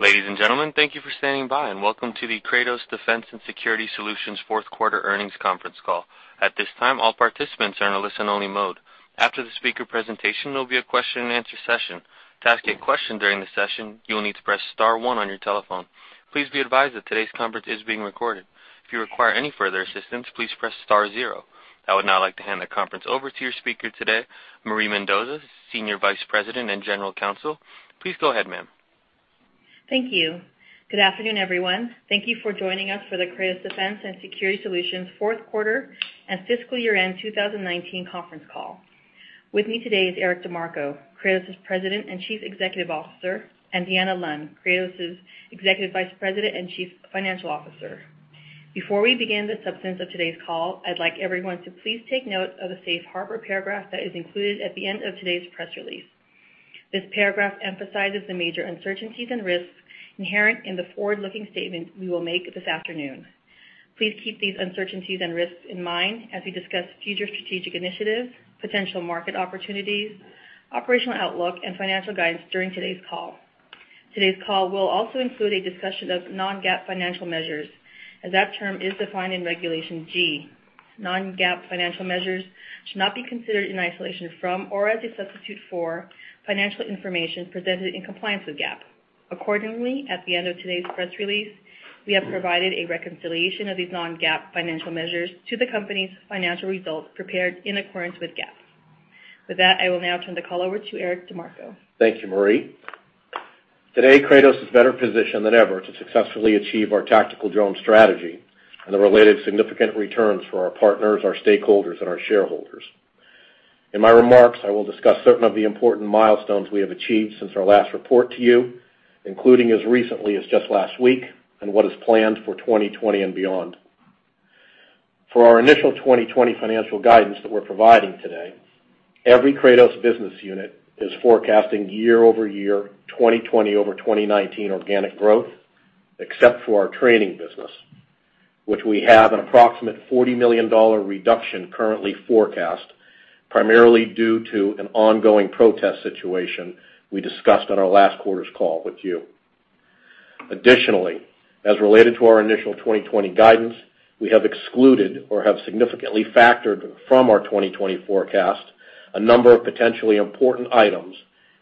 Ladies and gentlemen, thank you for standing by, and welcome to the Kratos Defense & Security Solutions Fourth Quarter Earnings Conference Call. At this time, all participants are in a listen-only mode. After the speaker presentation, there'll be a question-and-answer session. To ask a question during the session, you will need to press star one on your telephone. Please be advised that today's conference is being recorded. If you require any further assistance, please press star zero. I would now like to hand the conference over to your speaker today, Marie Mendoza, Senior Vice President and General Counsel. Please go ahead, ma'am. Thank you. Good afternoon, everyone. Thank you for joining us for the Kratos Defense & Security Solutions fourth quarter and fiscal year-end 2019 conference call. With me today is Eric DeMarco, Kratos' President and Chief Executive Officer, and Deanna Lund, Kratos' Executive Vice President and Chief Financial Officer. Before we begin the substance of today's call, I'd like everyone to please take note of the safe harbor paragraph that is included at the end of today's press release. This paragraph emphasizes the major uncertainties and risks inherent in the forward-looking statements we will make this afternoon. Please keep these uncertainties and risks in mind as we discuss future strategic initiatives, potential market opportunities, operational outlook, and financial guidance during today's call. Today's call will also include a discussion of non-GAAP financial measures, as that term is defined in Regulation G. Non-GAAP financial measures should not be considered in isolation from or as a substitute for financial information presented in compliance with GAAP. Accordingly, at the end of today's press release, we have provided a reconciliation of these non-GAAP financial measures to the company's financial results prepared in accordance with GAAP. With that, I will now turn the call over to Eric DeMarco. Thank you, Marie. Today, Kratos is better positioned than ever to successfully achieve our tactical drone strategy and the related significant returns for our partners, our stakeholders, and our shareholders. In my remarks, I will discuss certain of the important milestones we have achieved since our last report to you, including as recently as just last week and what is planned for 2020 and beyond. For our initial 2020 financial guidance that we're providing today, every Kratos business unit is forecasting year-over-year 2020 over 2019 organic growth, except for our training business, which we have an approximate $40 million reduction currently forecast, primarily due to an ongoing protest situation we discussed on our last quarter's call with you. Additionally, as related to our initial 2020 guidance, we have excluded or have significantly factored from our 2020 forecast a number of potentially important items,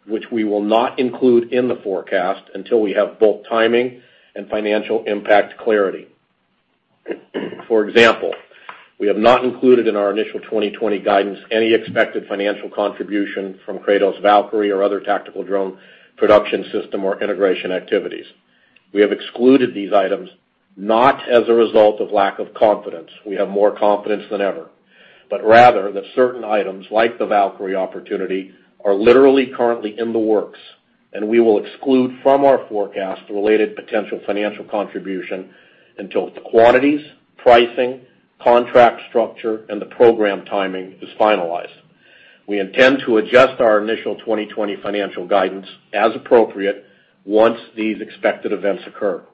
which we will not include in the forecast until we have both timing and financial impact clarity. For example, we have not included in our initial 2020 guidance any expected financial contribution from Kratos' Valkyrie or other tactical drone production system or integration activities. We have excluded these items not as a result of lack of confidence, we have more confidence than ever, but rather that certain items like the Valkyrie opportunity are literally currently in the works, and we will exclude from our forecast the related potential financial contribution until the quantities, pricing, contract structure, and the program timing is finalized. We intend to adjust our initial 2020 financial guidance as appropriate once these expected events occur.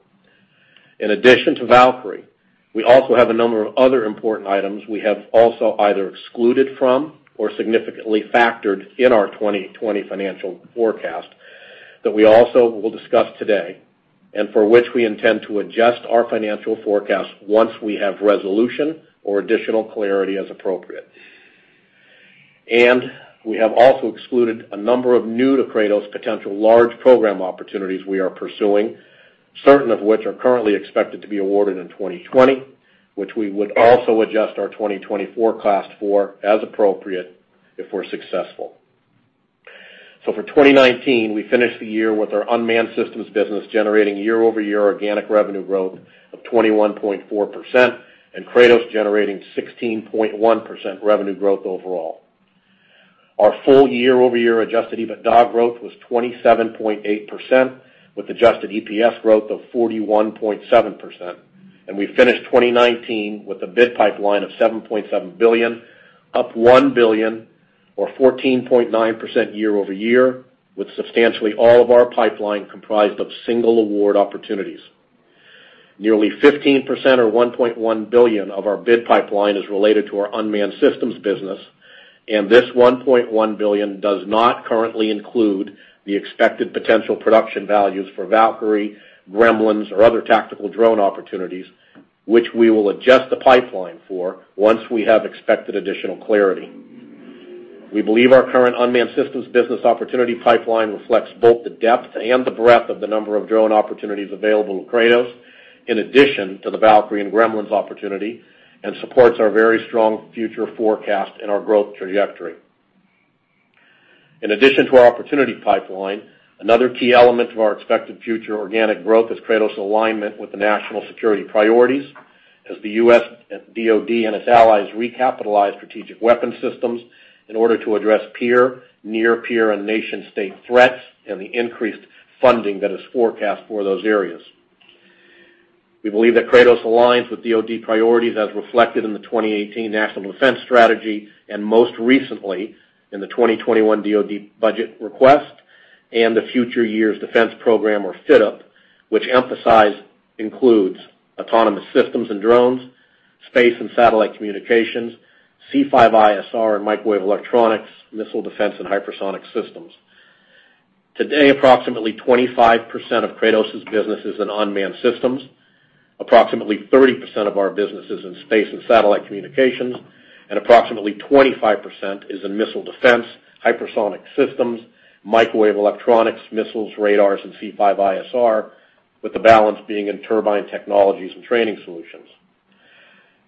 In addition to Valkyrie, we also have a number of other important items we have also either excluded from or significantly factored in our 2020 financial forecast that we also will discuss today, and for which we intend to adjust our financial forecast once we have a resolution or additional clarity as appropriate. We have also excluded a number of new to Kratos potential large program opportunities we are pursuing, certain of which are currently expected to be awarded in 2020, which we would also adjust our 2020 forecast for as appropriate if we're successful. For 2019, we finished the year with our unmanned systems business generating year-over-year organic revenue growth of 21.4%, and Kratos generating 16.1% revenue growth overall. Our full year-over-year adjusted EBITDA growth was 27.8%, with adjusted EPS growth of 41.7%. We finished 2019 with a bid pipeline of $7.7 billion, up $1 billion or 14.9% year-over-year, with substantially all of our pipeline comprised of single award opportunities. Nearly 15% or $1.1 billion of our bid pipeline is related to our unmanned systems business. This $1.1 billion does not currently include the expected potential production values for Valkyrie, Gremlins, or other tactical drone opportunities, which we will adjust the pipeline for once we have expected additional clarity. We believe our current unmanned systems business opportunity pipeline reflects both the depth and the breadth of the number of drone opportunities available to Kratos, in addition to the Valkyrie and Gremlins opportunity, and supports our very strong future forecast and our growth trajectory. In addition to our opportunity pipeline, another key element of our expected future organic growth is Kratos alignment with the national security priorities as the U.S. DoD and its allies recapitalize strategic weapon systems in order to address peer, near-peer, and nation-state threats and the increased funding that is forecast for those areas. We believe that Kratos aligns with DoD priorities as reflected in the 2018 National Defense Strategy, and most recently in the 2021 DoD budget request and the Future Years Defense Program or FYDP, which includes autonomous systems and drones, space and satellite communications, C5ISR and microwave electronics, missile defense, and hypersonic systems. Today, approximately 25% of Kratos' business is in unmanned systems, approximately 30% of our business is in Space and Satellite Communications, and approximately 25% is in Missile Defense, Hypersonic Systems, Microwave Electronics, Missiles, Radars, and C5ISR, with the balance being in turbine technologies and training solutions.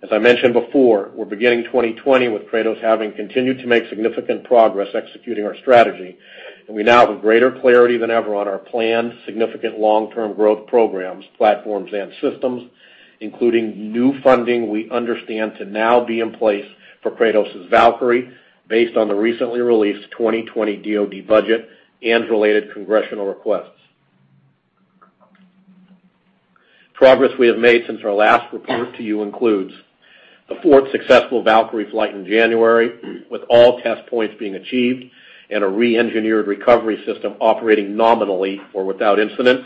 As I mentioned before, we're beginning 2020 with Kratos having continued to make significant progress executing our strategy, and we now have greater clarity than ever on our planned significant long-term growth programs, platforms, and systems, including new funding we understand to now be in place for Kratos' Valkyrie, based on the recently released 2020 DoD budget and related congressional requests. Progress we have made since our last report to you includes the fourth successful Valkyrie flight in January, with all test points being achieved and a re-engineered recovery system operating nominally or without incident.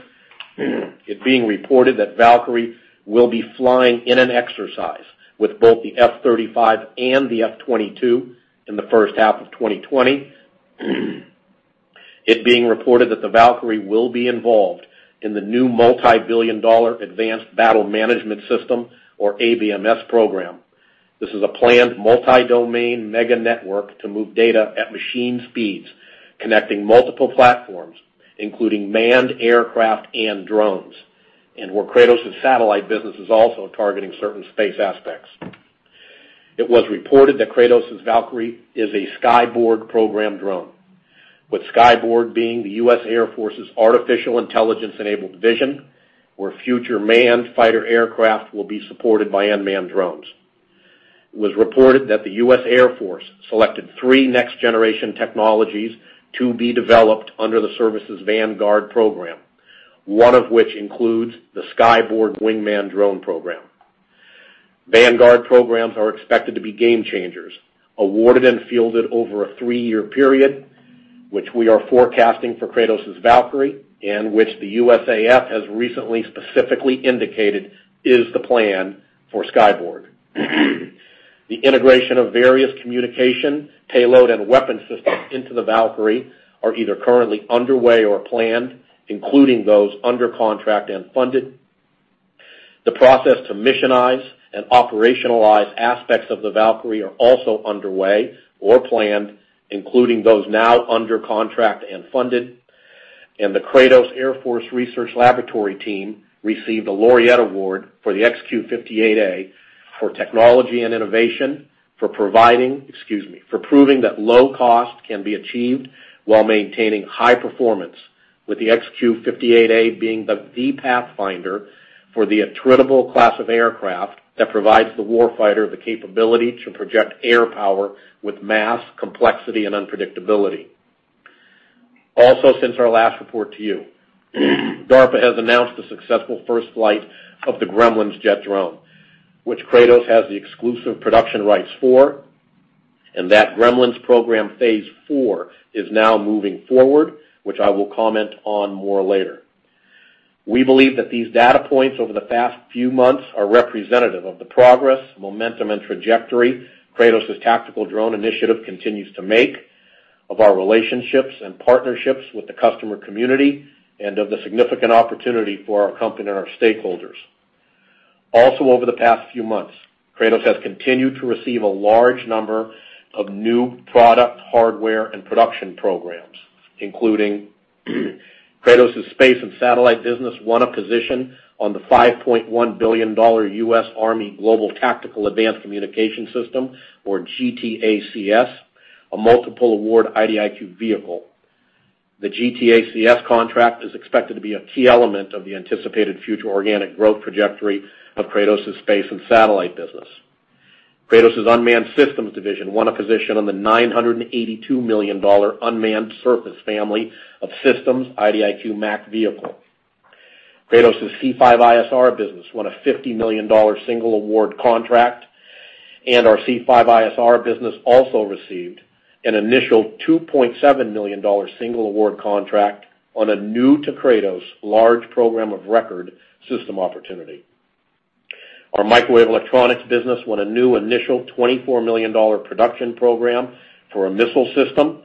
It's being reported that Valkyrie will be flying in an exercise with both the F-35 and the F-22 in the first half of 2020. It's being reported that the Valkyrie will be involved in the new multibillion-dollar Advanced Battle Management System, or ABMS program. This is a planned multi-domain mega network to move data at machine speeds, connecting multiple platforms, including manned aircraft and drones, and where Kratos' satellite business is also targeting certain space aspects. It was reported that Kratos' Valkyrie is a Skyborg program drone, with Skyborg being the U.S. Air Force's artificial intelligence-enabled vision, where future manned fighter aircraft will be supported by unmanned drones. It was reported that the U.S. Air Force selected three next-generation technologies to be developed under the service's Vanguard program, one of which includes the Skyborg wingman drone program. Vanguard programs are expected to be game changers, awarded and fielded over a three-year period, which we are forecasting for Kratos' Valkyrie, and which the USAF has recently specifically indicated is the plan for Skyborg. The integration of various communication, payload, and weapon systems into the Valkyrie are either currently underway or planned, including those under contract and funded. The process to missionize and operationalize aspects of the Valkyrie are also underway or planned, including those now under contract and funded, and the Kratos Air Force Research Laboratory team received a Laureate Award for the XQ-58A for technology and innovation for providing, excuse me, for proving that low cost can be achieved while maintaining high performance with the XQ-58A being the pathfinder for the attritable class of aircraft that provides the war fighter the capability to project air power with mass, complexity, and unpredictability. Since our last report to you, DARPA has announced the successful first flight of the Gremlins jet drone, which Kratos has the exclusive production rights for and that Gremlins program phase IV is now moving forward, which I will comment on more later. We believe that these data points over the past few months are representative of the progress, momentum, and trajectory Kratos' tactical drone initiative continues to make, of our relationships and partnerships with the customer community, and of the significant opportunity for our company and our stakeholders. Over the past few months, Kratos has continued to receive a large number of new product, hardware, and production programs, including Kratos' space and satellite business won a position on the $5.1 billion U.S. Army Global Tactical Advanced Communication System, or GTACS, a multiple award IDIQ vehicle. The GTACS contract is expected to be a key element of the anticipated future organic growth trajectory of Kratos' space and satellite business. Kratos' unmanned systems division won a position on the $982 million unmanned surface family of systems IDIQ MAC vehicle. Kratos' C5ISR business won a $50 million single award contract, and our C5ISR business also received an initial $2.7 million single award contract on a new to Kratos large program of record system opportunity. Our microwave electronics business won a new initial $24 million production program for a missile system,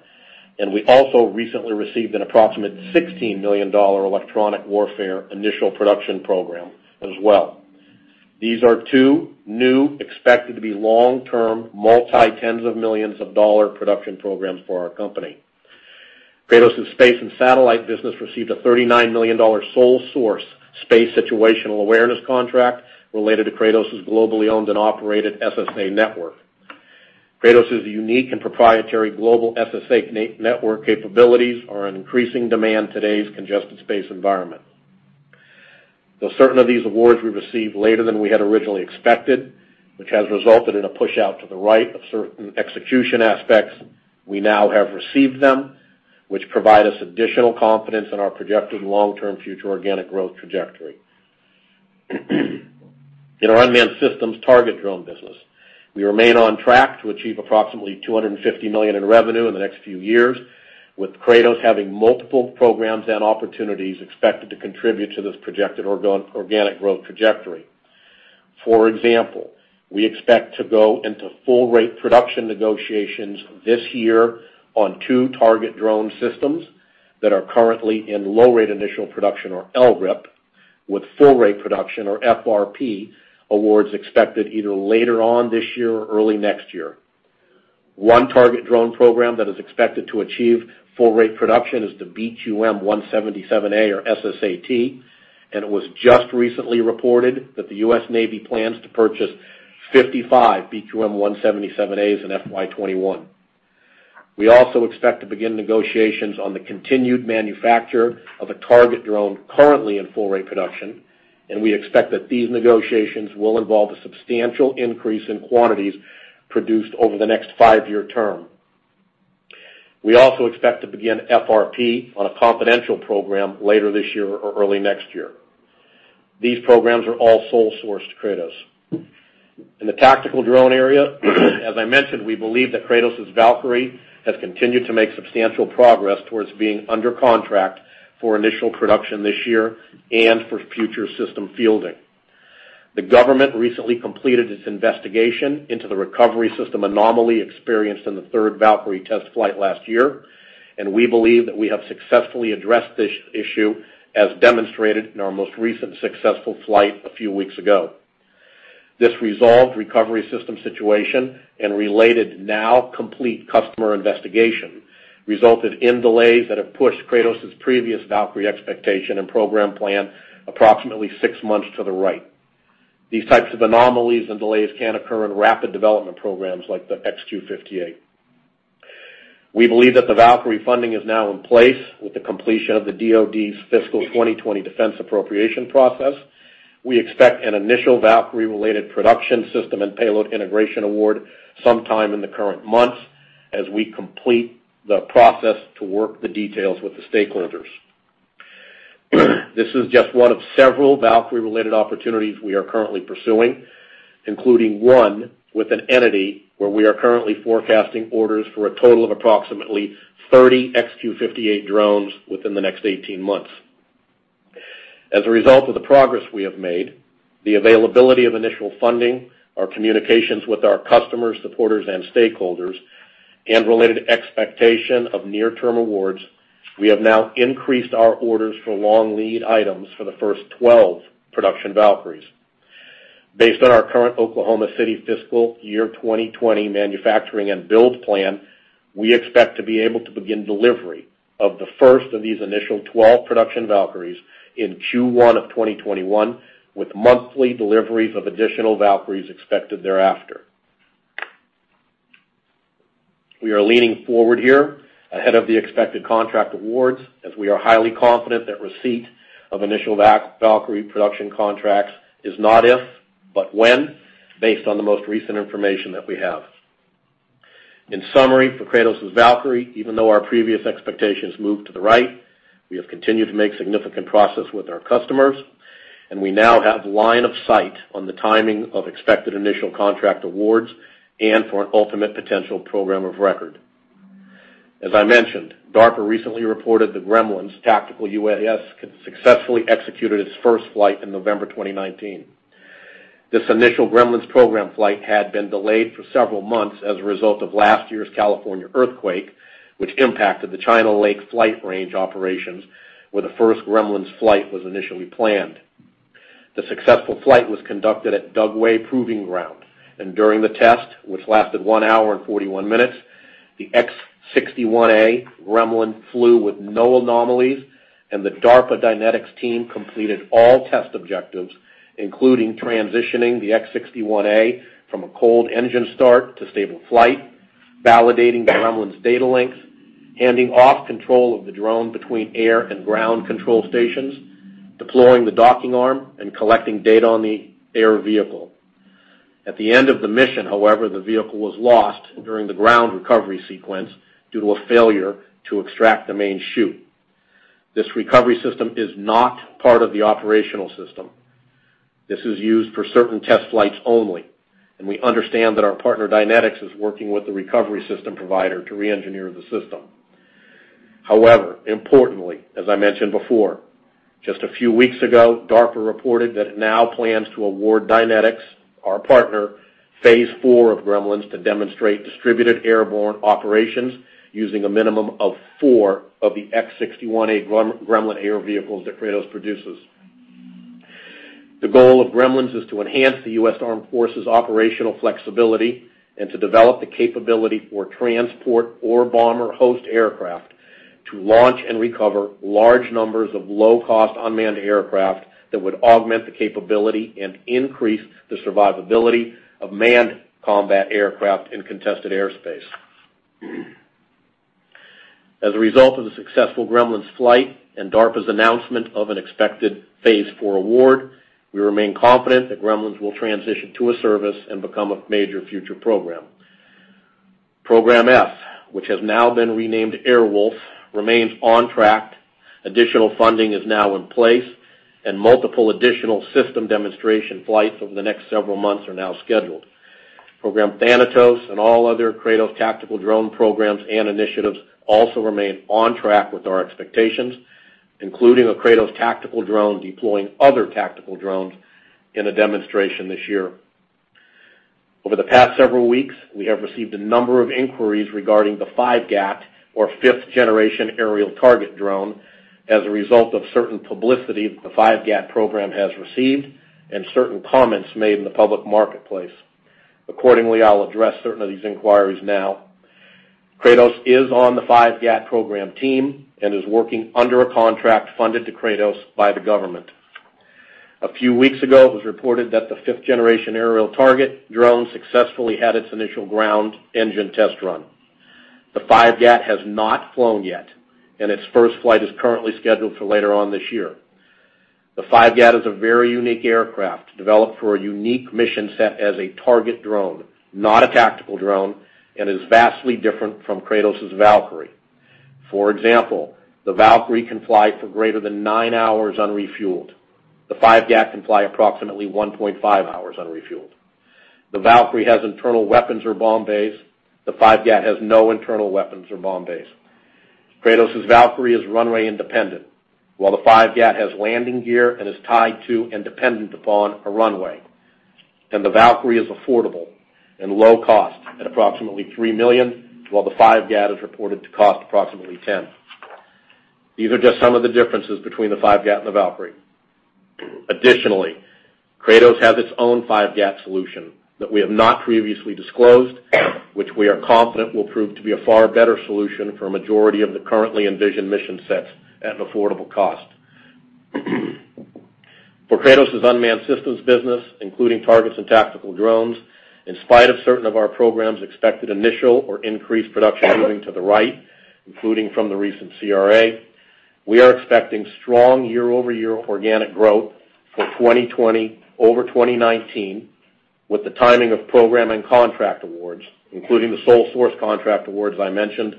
and we also recently received an approximate $16 million electronic warfare initial production program as well. These are two new expected to be long-term, multi tens of millions of dollar production programs for our company. Kratos' space and satellite business received a $39 million sole-source space situational awareness contract related to Kratos' globally owned and operated SSA network. Kratos' unique and proprietary global SSA network capabilities are in increasing demand in today's congested space environment. Certain of these awards we received later than we had originally expected, which has resulted in a pushout to the right of certain execution aspects. We have now received them, which provide us additional confidence in our projected long-term future organic growth trajectory. In our unmanned systems target drone business. We remain on track to achieve approximately $250 million in revenue in the next few years, with Kratos having multiple programs and opportunities expected to contribute to this projected organic growth trajectory. For example, we expect to go into full-rate production negotiations this year on two target drone systems that are currently in low-rate initial production, or LRIP, with full-rate production, or FRP, awards expected either later on this year or early next year. One target drone program that is expected to achieve full-rate production is the BQM-177A or SSAT, and it was just recently reported that the U.S. Navy plans to purchase 55 BQM-177As in FY 2021. We also expect to begin negotiations on the continued manufacture of a target drone currently in full-rate production, and we expect that these negotiations will involve a substantial increase in quantities produced over the next five-year term. We also expect to begin FRP on a confidential program later this year or early next year. These programs are all sole-sourced to Kratos. In the tactical drone area, as I mentioned, we believe that Kratos' Valkyrie has continued to make substantial progress towards being under contract for initial production this year and for future system fielding. The government recently completed its investigation into the recovery system anomaly experienced in the third Valkyrie test flight last year, and we believe that we have successfully addressed this issue, as demonstrated in our most recent successful flight a few weeks ago. This resolved recovery system situation and related now complete customer investigation resulted in delays that have pushed Kratos' previous Valkyrie expectation and program plan approximately six months to the right. These types of anomalies and delays can occur in rapid development programs like the XQ-58. We believe that the Valkyrie funding is now in place with the completion of the DoD's fiscal 2020 defense appropriation process. We expect an initial Valkyrie-related production system and payload integration award sometime in the current months as we complete the process to work the details with the stakeholders. This is just one of several Valkyrie-related opportunities we are currently pursuing, including one with an entity where we are currently forecasting orders for a total of approximately 30 XQ-58 drones within the next 18 months. As a result of the progress we have made, the availability of initial funding, our communications with our customers, supporters, and stakeholders, and related expectation of near-term awards, we have now increased our orders for long lead items for the first 12 production Valkyries. Based on our current Oklahoma City fiscal year 2020 manufacturing and build plan, we expect to be able to begin delivery of the first of these initial 12 production Valkyries in Q1 of 2021, with monthly deliveries of additional Valkyries expected thereafter. We are leaning forward here ahead of the expected contract awards, as we are highly confident that receipt of initial Valkyrie production contracts is not if, but when, based on the most recent information that we have. In summary, for Kratos' Valkyrie, even though our previous expectations moved to the right, we have continued to make significant progress with our customers, and we now have a line of sight on the timing of expected initial contract awards and for an ultimate potential program of record. As I mentioned, DARPA recently reported that Gremlins Tactical UAS successfully executed its first flight in November 2019. This initial Gremlins program flight had been delayed for several months as a result of last year's California earthquake, which impacted the China Lake flight range operations, where the first Gremlins flight was initially planned. The successful flight was conducted at Dugway Proving Ground, and during the test, which lasted one hour and 41 minutes, the X-61A Gremlins flew with no anomalies, and the DARPA Dynetics team completed all test objectives, including transitioning the X-61A from a cold engine start to stable flight, validating the Gremlins data links, handing off control of the drone between air and ground control stations, deploying the docking arm, and collecting data on the air vehicle. At the end of the mission, however, the vehicle was lost during the ground recovery sequence due to a failure to extract the main chute. This recovery system is not part of the operational system. This is used for certain test flights only, and we understand that our partner, Dynetics, is working with the recovery system provider to re-engineer the system. However, importantly, as I mentioned before, just a few weeks ago, DARPA reported that it now plans to award Dynetics, our partner, phase IV of Gremlins to demonstrate distributed airborne operations using a minimum of four of the X-61A Gremlin air vehicles that Kratos produces. The goal of Gremlins is to enhance the U.S. Armed Forces' operational flexibility and to develop the capability for transport or bomber host aircraft to launch and recover large numbers of low-cost unmanned aircraft that would augment the capability and increase the survivability of manned combat aircraft in contested airspace. As a result of the successful Gremlins flight and DARPA's announcement of an expected phase IV award, we remain confident that Gremlins will transition to a service and become a major future program. Program F, which has now been renamed Airwolf, remains on track. Additional funding is now in place, and multiple additional system demonstration flights over the next several months are now scheduled. Program Thanatos and all other Kratos tactical drone programs and initiatives also remain on track with our expectations, including a Kratos tactical drone deploying other tactical drones in a demonstration this year. Over the past several weeks, we have received a number of inquiries regarding the 5GAT or Fifth Generation Aerial Target drone as a result of certain publicity the 5GAT program has received and certain comments made in the public marketplace. Accordingly, I'll address certain of these inquiries now. Kratos is on the 5GAT program team and is working under a contract funded to Kratos by the government. A few weeks ago, it was reported that the Fifth Generation Aerial Target drone successfully had its initial ground engine test run. The 5GAT has not flown yet. Its first flight is currently scheduled for later on this year. The 5GAT is a very unique aircraft developed for a unique mission set as a target drone, not a tactical drone. It is vastly different from Kratos' Valkyrie. For example, the Valkyrie can fly for greater than nine hours unrefueled. The 5GAT can fly approximately 1.5 hours unrefueled. The Valkyrie has internal weapons or bomb bays. The 5GAT has no internal weapons or bomb bays. Kratos' Valkyrie is runway independent, while the 5GAT has landing gear and is tied to and dependent upon a runway. The Valkyrie is affordable and low-cost at approximately $3 million, while the 5GAT is reported to cost approximately $10. These are just some of the differences between the 5GAT and the Valkyrie. Additionally, Kratos has its own 5GAT solution that we have not previously disclosed, which we are confident will prove to be a far better solution for a majority of the currently envisioned mission sets at an affordable cost. For Kratos' unmanned systems business, including targets and tactical drones, in spite of certain of our programs' expected initial or increased production moving to the right, including from the recent CRA, we are expecting strong year-over-year organic growth for 2020 over 2019 with the timing of program and contract awards, including the sole-source contract awards I mentioned,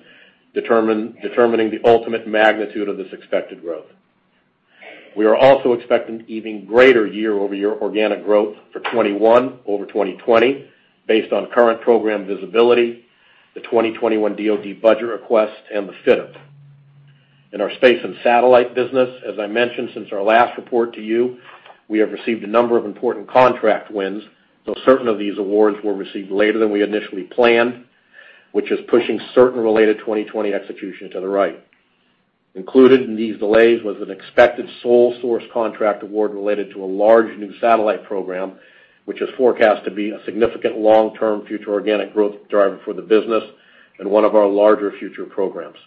determining the ultimate magnitude of this expected growth. We are also expecting even greater year-over-year organic growth for 2021 over 2020 based on current program visibility, the 2021 DoD budget request, and the fit. In our Space and Satellite business, as I mentioned since our last report to you, we have received a number of important contract wins, though certain of these awards were received later than we initially planned, which is pushing certain related 2020 execution to the right. Included in these delays was an expected sole-source contract award related to a large new satellite program, which is forecast to be a significant long-term future organic growth driver for the business and one of our larger future programs.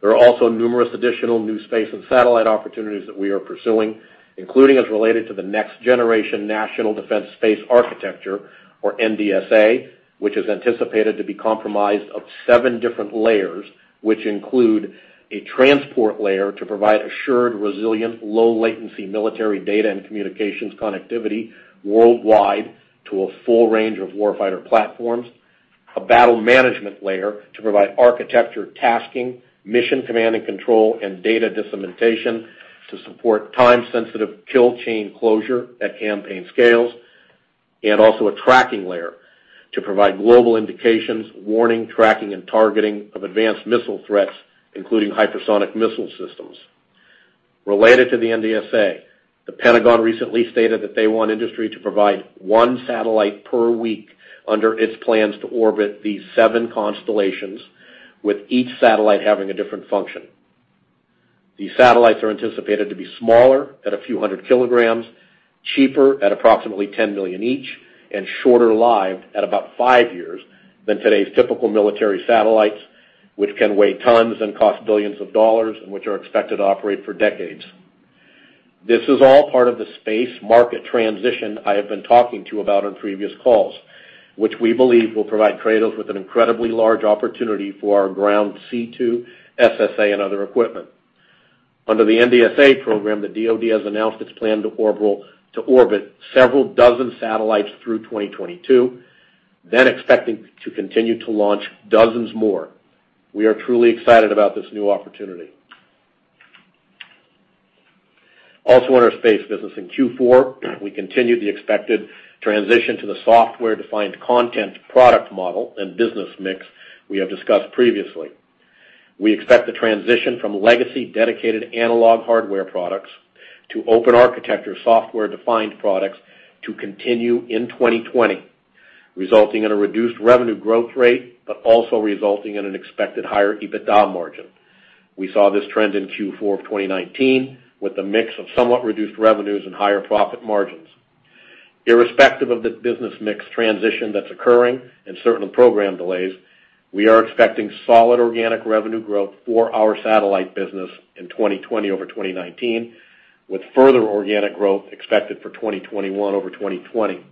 There are also numerous additional new space and satellite opportunities that we are pursuing, including as related to the next generation National Defense Space Architecture, or NDSA, which is anticipated to be comprised of 7 different layers, which include a transport layer to provide assured, resilient, low latency military data and communications connectivity worldwide to a full range of warfighter platforms. A battle management layer to provide architecture tasking, mission command and control, and data dissemination to support time-sensitive kill chain closure at campaign scales. Also, a tracking layer to provide global indications, warning, tracking, and targeting of advanced missile threats, including hypersonic missile systems. Related to the NDSA, the Pentagon recently stated that they want industry to provide one satellite per week under its plans to orbit these seven constellations, with each satellite having a different function. These satellites are anticipated to be smaller, at a few hundred kilograms, cheaper at approximately $10 million each, and shorter-lived at about five years than today's typical military satellites, which can weigh tons and cost billions of dollars and which are expected to operate for decades. This is all part of the space market transition I have been talking to you about on previous calls, which we believe will provide Kratos with an incredibly large opportunity for our ground C2, SSA, and other equipment. Under the NDSA program, the DoD has announced its plan to orbit several dozen satellites through 2022, expecting to continue to launch dozens more. We are truly excited about this new opportunity. In our Space business in Q4, we continued the expected transition to the software-defined content product model and business mix we have discussed previously. We expect the transition from legacy dedicated analog hardware products to open architecture software-defined products to continue in 2020, resulting in a reduced revenue growth rate, also resulting in an expected higher EBITDA margin. We saw this trend in Q4 of 2019 with a mix of somewhat reduced revenues and higher profit margins. Irrespective of the business mix transition that's occurring and certain program delays, we are expecting solid organic revenue growth for our Satellite business in 2020 over 2019, with further organic growth expected for 2021 over 2020.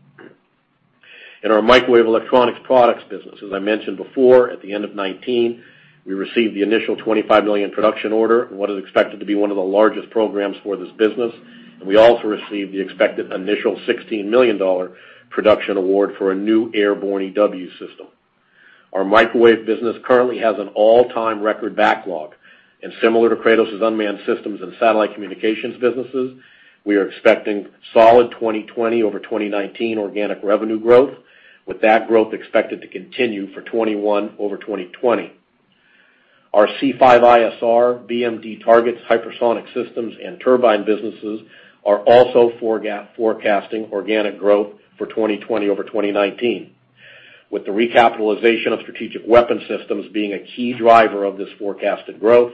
In our microwave electronics products business, as I mentioned before, at the end of 2019, we received the initial $25 million production order in what is expected to be one of the largest programs for this business, and we also received the expected initial $16 million production award for a new airborne EW system. Our microwave business currently has an all-time record backlog, and similar to Kratos' unmanned Systems and Satellite Communications businesses, we are expecting solid 2020 over 2019 organic revenue growth, with that growth expected to continue for 2021 over 2020. Our C5ISR, BMD targets, hypersonic systems, and turbine businesses are also forecasting organic growth for 2020 over 2019, with the recapitalization of strategic weapons systems being a key driver of this forecasted growth,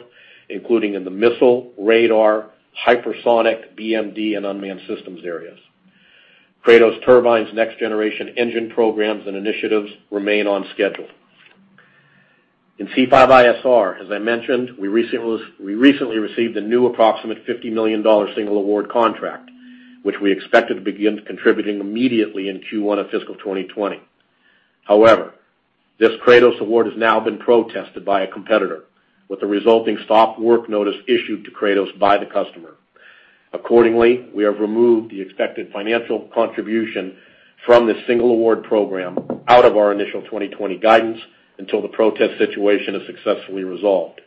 including in the missile, radar, hypersonic, BMD, and unmanned systems areas. Kratos turbines' next-generation engine programs and initiatives remain on schedule. In C5ISR, as I mentioned, we recently received a new approximate $50 million single-award contract, which we expected to begin contributing immediately in Q1 of fiscal 2020. However, this Kratos award has now been protested by a competitor, with a resulting stop-work notice issued to Kratos by the customer. Accordingly, we have removed the expected financial contribution from this single award program out of our initial 2020 guidance until the protest situation is successfully resolved.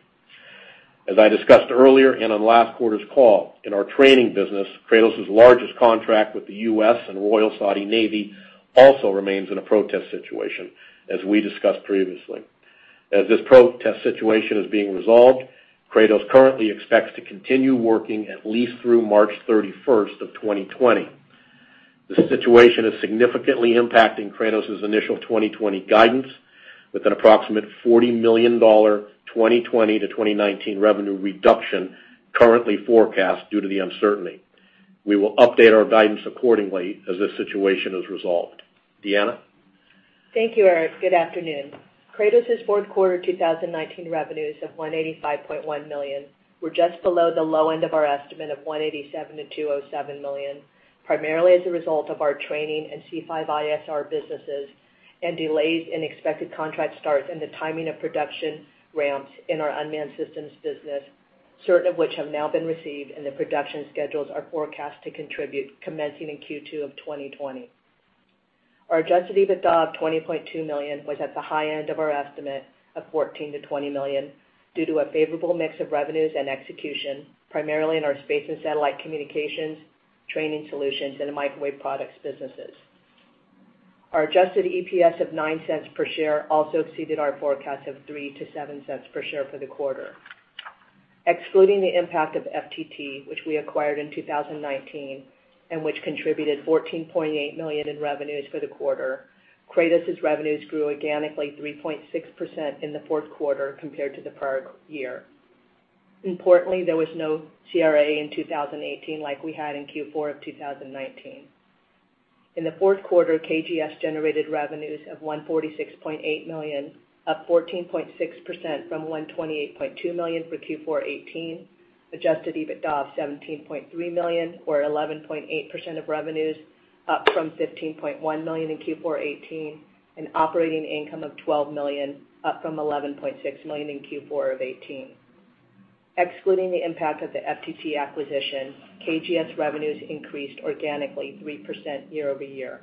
As I discussed earlier and on last quarter's call, in our training business, Kratos' largest contract with the U.S. and Royal Saudi Navy also remains in a protest situation, as we discussed previously. As this protest situation is being resolved, Kratos currently expects to continue working at least through March 31, 2020. This situation is significantly impacting Kratos' initial 2020 guidance, with an approximate $40 million 2020 to 2019 revenue reduction currently forecast due to the uncertainty. We will update our guidance accordingly as this situation is resolved. Deanna? Thank you, Eric. Good afternoon. Kratos' fourth quarter 2019 revenues of $185.1 million were just below the low end of our estimate of $187 million-$207 million, primarily as a result of our training and C5ISR businesses and delays in expected contract starts and the timing of production ramps in our unmanned systems business, certain of which have now been received and the production schedules are forecast to contribute commencing in Q2 of 2020. Our adjusted EBITDA of $20.2 million was at the high end of our estimate of $14 million-$20 million due to a favorable mix of revenues and execution, primarily in our space and satellite communications, training solutions, and microwave products businesses. Our adjusted EPS of $0.09 per share also exceeded our forecast of $0.03-$0.07 per share for the quarter. Excluding the impact of FTT, which we acquired in 2019 and which contributed $14.8 million in revenues for the quarter, Kratos' revenues grew organically 3.6% in the fourth quarter compared to the prior year. Importantly, there was no CRA in 2018 like we had in Q4 of 2019. In the fourth quarter, KGS generated revenues of $146.8 million, up 14.6% from $128.2 million for Q4 2018, adjusted EBITDA of $17.3 million or 11.8% of revenues, up from $15.1 million in Q4 2018, and operating income of $12 million, up from $11.6 million in Q4 2018. Excluding the impact of the FTT acquisition, KGS revenues increased organically 3% year-over-year.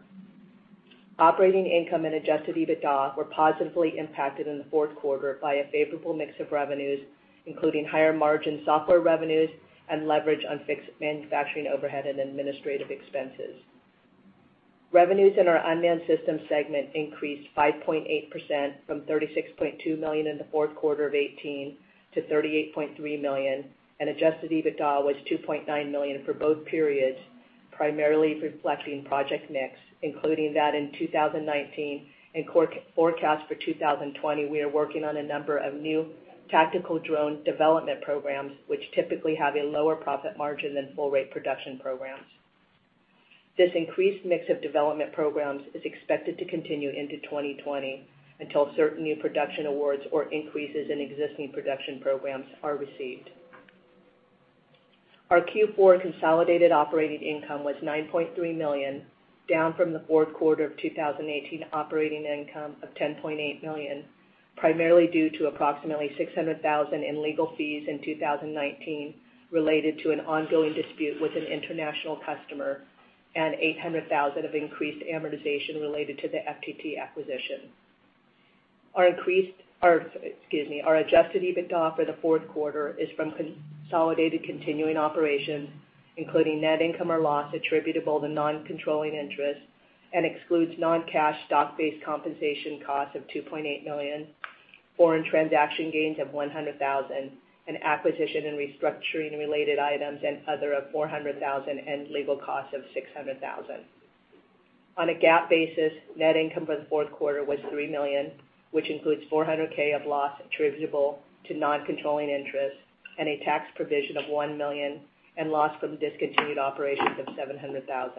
Operating income and adjusted EBITDA were positively impacted in the fourth quarter by a favorable mix of revenues, including higher-margin software revenues and leverage on fixed manufacturing overhead and administrative expenses. Revenues in our unmanned systems segment increased 5.8% from $36.2 million in the fourth quarter of 2018 to $38.3 million, and adjusted EBITDA was $2.9 million for both periods, primarily reflecting project mix, including that in 2019 and forecast for 2020, we are working on a number of new tactical drone development programs, which typically have a lower profit margin than full-rate production programs. This increased mix of development programs is expected to continue into 2020 until certain new production awards or increases in existing production programs are received. Our Q4 consolidated operating income was $9.3 million, down from the fourth quarter of 2018 operating income of $10.8 million, primarily due to approximately $600,000 in legal fees in 2019 related to an ongoing dispute with an international customer and $800,000 of increased amortization related to the FTT acquisition. Our adjusted EBITDA for the fourth quarter is from consolidated continuing operations, including net income or loss attributable to non-controlling interests and excludes non-cash stock-based compensation costs of $2.8 million, foreign transaction gains of $100,000, and acquisition and restructuring-related items, and other of $400,000 and legal costs of $600,000. On a GAAP basis, net income for the fourth quarter was $3 million, which includes $400,000 of loss attributable to non-controlling interests and a tax provision of $1 million, and loss from discontinued operations of $700,000.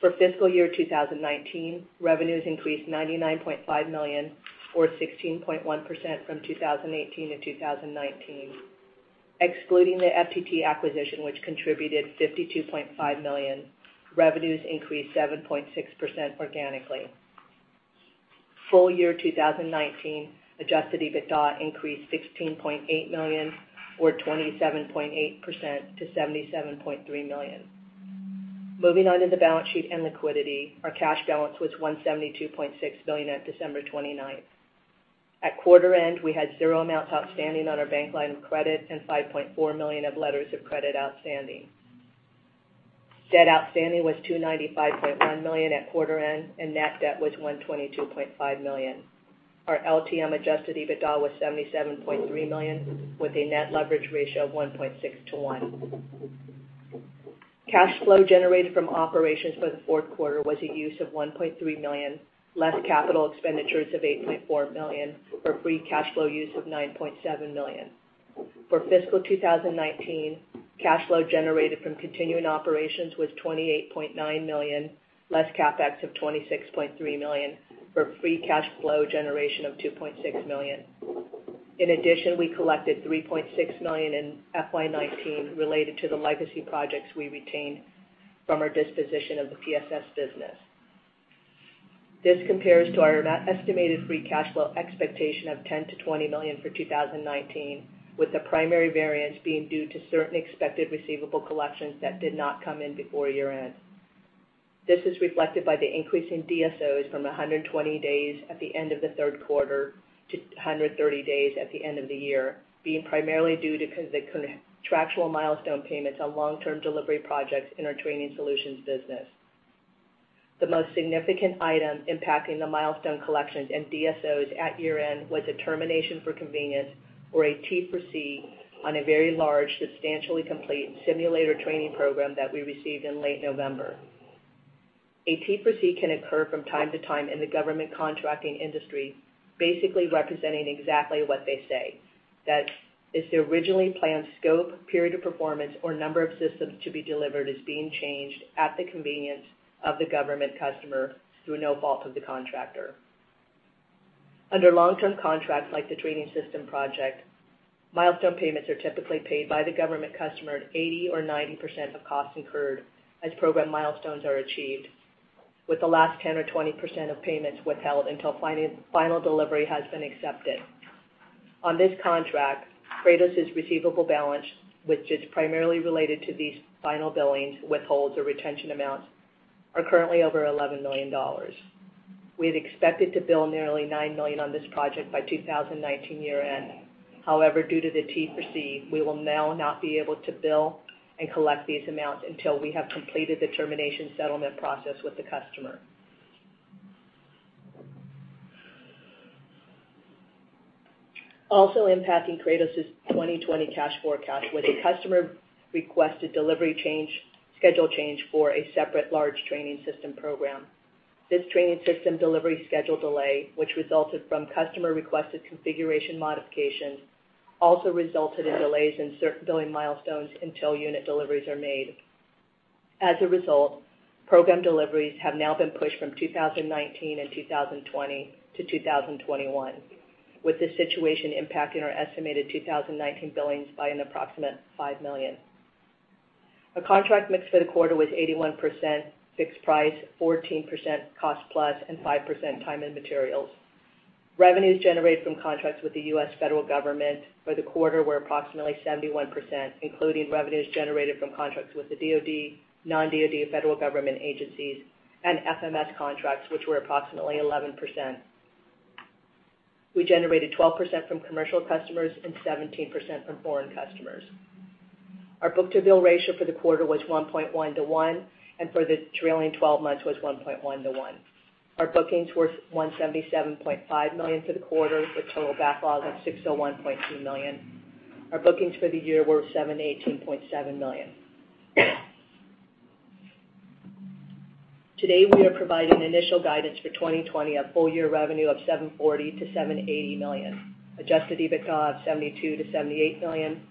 For fiscal year 2019, revenues increased $99.5 million or 16.1% from 2018 to 2019. Excluding the FTT acquisition, which contributed $52.5 million, revenues increased 7.6% organically. Full year 2019, adjusted EBITDA increased $16.8 million or 27.8% to $77.3 million. Moving on to the balance sheet and liquidity, our cash balance was $172.6 million at December 29. At quarter end, we had zero amounts outstanding on our bank line of credit and $5.4 million of letters of credit outstanding. Debt outstanding was $295.1 million at quarter end, and net debt was $122.5 million. Our LTM adjusted EBITDA was $77.3 million, with a net leverage ratio of 1.6:1. Cash flow generated from operations for the fourth quarter was a use of $1.3 million, less capital expenditures of $8.4 million, for a free cash flow use of $9.7 million. For fiscal 2019, cash flow generated from continuing operations was $28.9 million, less CapEx of $26.3 million, for free cash flow generation of $2.6 million. In addition, we collected $3.6 million in FY 2019 related to the legacy projects we retained from our disposition of the PSS business. This compares to our estimated free cash flow expectation of $10 million-$20 million for 2019, with the primary variance being due to certain expected receivable collections that did not come in before year-end. This is reflected by the increase in DSOs from 120 days at the end of the third quarter to 130 days at the end of the year, being primarily due to structural milestone payments on long-term delivery projects in our training solutions business. The most significant item impacting the milestone collections and DSOs at year-end was a termination for convenience or a T for C on a very large, substantially complete simulator training program that we received in late November. A T for C can occur from time to time in the government contracting industry, basically representing exactly what they say, that if the originally planned scope, period of performance, or number of systems to be delivered is being changed at the convenience of the government customer through no fault of the contractor. Under long-term contracts like the training system project, milestone payments are typically paid by the government customer at 80% or 90% of costs incurred as program milestones are achieved, with the last 10% or 20% of payments withheld until final delivery has been accepted. On this contract, Kratos' receivable balance, which is primarily related to these final billings, withholds or retention amounts are currently over $11 million. We had expected to bill nearly $9 million on this project by 2019 year-end. However, due to the T for C, we will now not be able to bill and collect these amounts until we have completed the termination settlement process with the customer. Also impacting Kratos' 2020 cash forecast was a customer-requested delivery schedule change for a separate large training system program. This training system delivery schedule delay, which resulted from customer-requested configuration modifications, also resulted in delays in certain billing milestones until unit deliveries are made. As a result, program deliveries have now been pushed from 2019 and 2020 to 2021, with this situation impacting our estimated 2019 billings by an approximate $5 million. Our contract mix for the quarter was 81% fixed price, 14% cost plus, and 5% time and materials. Revenues generated from contracts with the U.S. federal government for the quarter were approximately 71%, including revenues generated from contracts with the DoD, non-DoD federal government agencies, and FMS contracts, which were approximately 11%. We generated 12% from commercial customers and 17% from foreign customers. Our book-to-bill ratio for the quarter was 1.1:1, and for the trailing 12 months was 1.1:1. Our bookings were $177.5 million for the quarter, with a total backlog of $601.2 million. Our bookings for the year were $718.7 million. Today, we are providing initial guidance for 2020 of full-year revenue of $740 million-$780 million, adjusted EBITDA of $72 million-$78 million,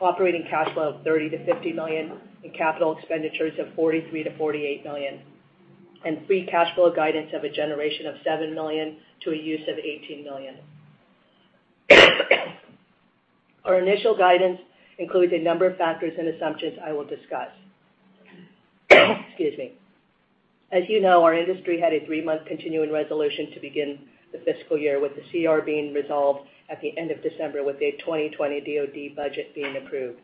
operating cash flow of $30 million-$50 million, and capital expenditures of $43 million-$48 million, and free cash flow guidance of a generation of $7 million to a use of $18 million. Our initial guidance includes a number of factors and assumptions I will discuss. Excuse me. As you know, our industry had a three-month continuing resolution to begin the fiscal year, with the CR being resolved at the end of December, with a 2020 DoD budget being approved.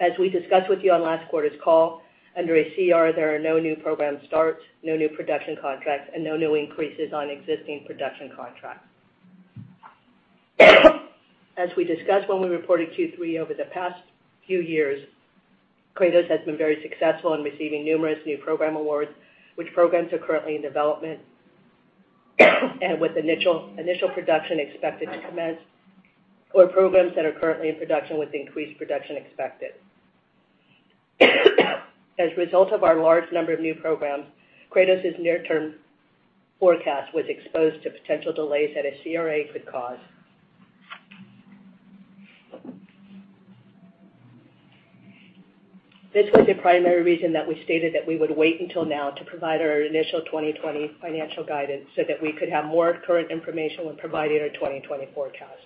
As we discussed with you on last quarter's call, under a CR, there are no new program starts, no new production contracts, and no new increases on existing production contracts. As we discussed when we reported Q3, over the past few years, Kratos has been very successful in receiving numerous new program awards, which programs are currently in development, and with initial production expected to commence, or programs that are currently in production with increased production expected. As a result of our large number of new programs, Kratos' near-term forecast was exposed to potential delays that a CR could cause. This was the primary reason that we stated that we would wait until now to provide our initial 2020 financial guidance so that we could have more current information when providing our 2020 forecast.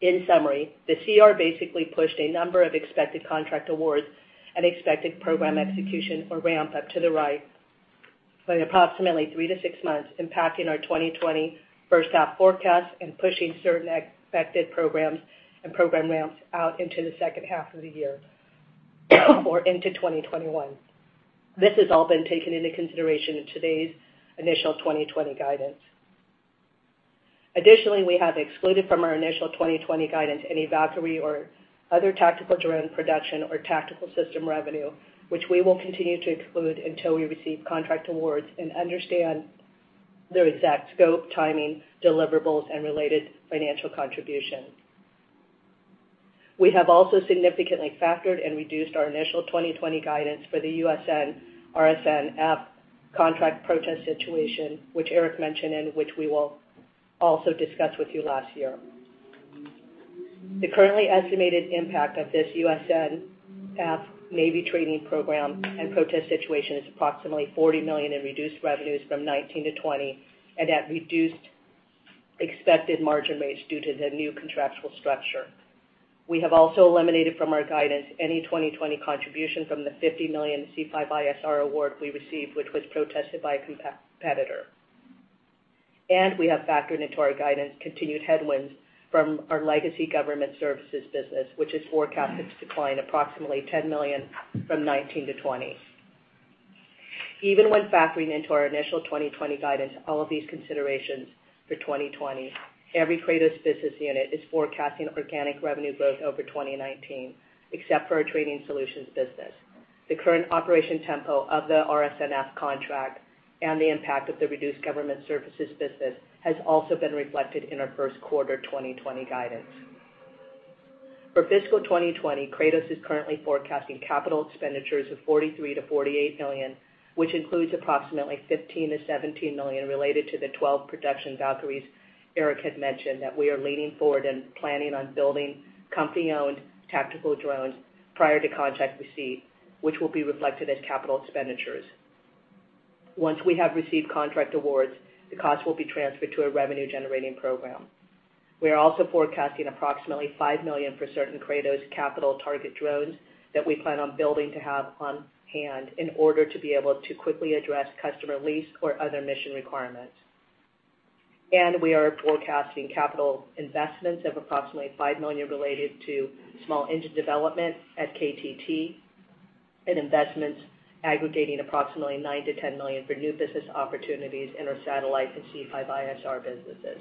In summary, the CR basically pushed a number of expected contract awards and expected program execution or ramp-up to the right by approximately three to six months, impacting our 2020 first half forecast and pushing certain expected programs and program ramps out into the second half of the year or into 2021. This has all been taken into consideration in today's initial 2020 guidance. Additionally, we have excluded from our initial 2020 guidance any Valkyrie or other tactical drone production or tactical system revenue, which we will continue to exclude until we receive contract awards and understand their exact scope, timing, deliverables, and related financial contribution. We have also significantly factored and reduced our initial 2020 guidance for the USN/RSNF contract protest situation, which Eric mentioned, and which we will also discuss with you last year. The currently estimated impact of this USN/RSNF Navy training program and protest situation is approximately $40 million in reduced revenues from 2019 to 2020, and at reduced expected margin rates due to the new contractual structure. We have also eliminated from our guidance any 2020 contribution from the $50 million C5ISR award we received, which was protested by a competitor. We have factored into our guidance continued headwinds from our legacy government services business, which is forecasted to decline approximately $10 million from 2019 to 2020. Even when factoring into our initial 2020 guidance all of these considerations for 2020, every Kratos business unit is forecasting organic revenue growth over 2019, except for our training solutions business. The current operation tempo of the RSNF contract and the impact of the reduced government services business has also been reflected in our first quarter 2020 guidance. For fiscal 2020, Kratos is currently forecasting capital expenditures of $43 million-$48 million, which includes approximately $15 million-$17 million related to the 12 production Valkyries, Eric had mentioned that we are leaning forward and planning on building company-owned tactical drones prior to contract receipt, which will be reflected as capital expenditures. Once we have received contract awards, the cost will be transferred to a revenue-generating program. We are also forecasting approximately $5 million for certain Kratos capital target drones that we plan on building to have on hand in order to be able to quickly address customer lease or other mission requirements. We are forecasting capital investments of approximately $5 million related to small engine development at KTT and investments aggregating approximately $9 million-$10 million for new business opportunities in our satellite and C5ISR businesses.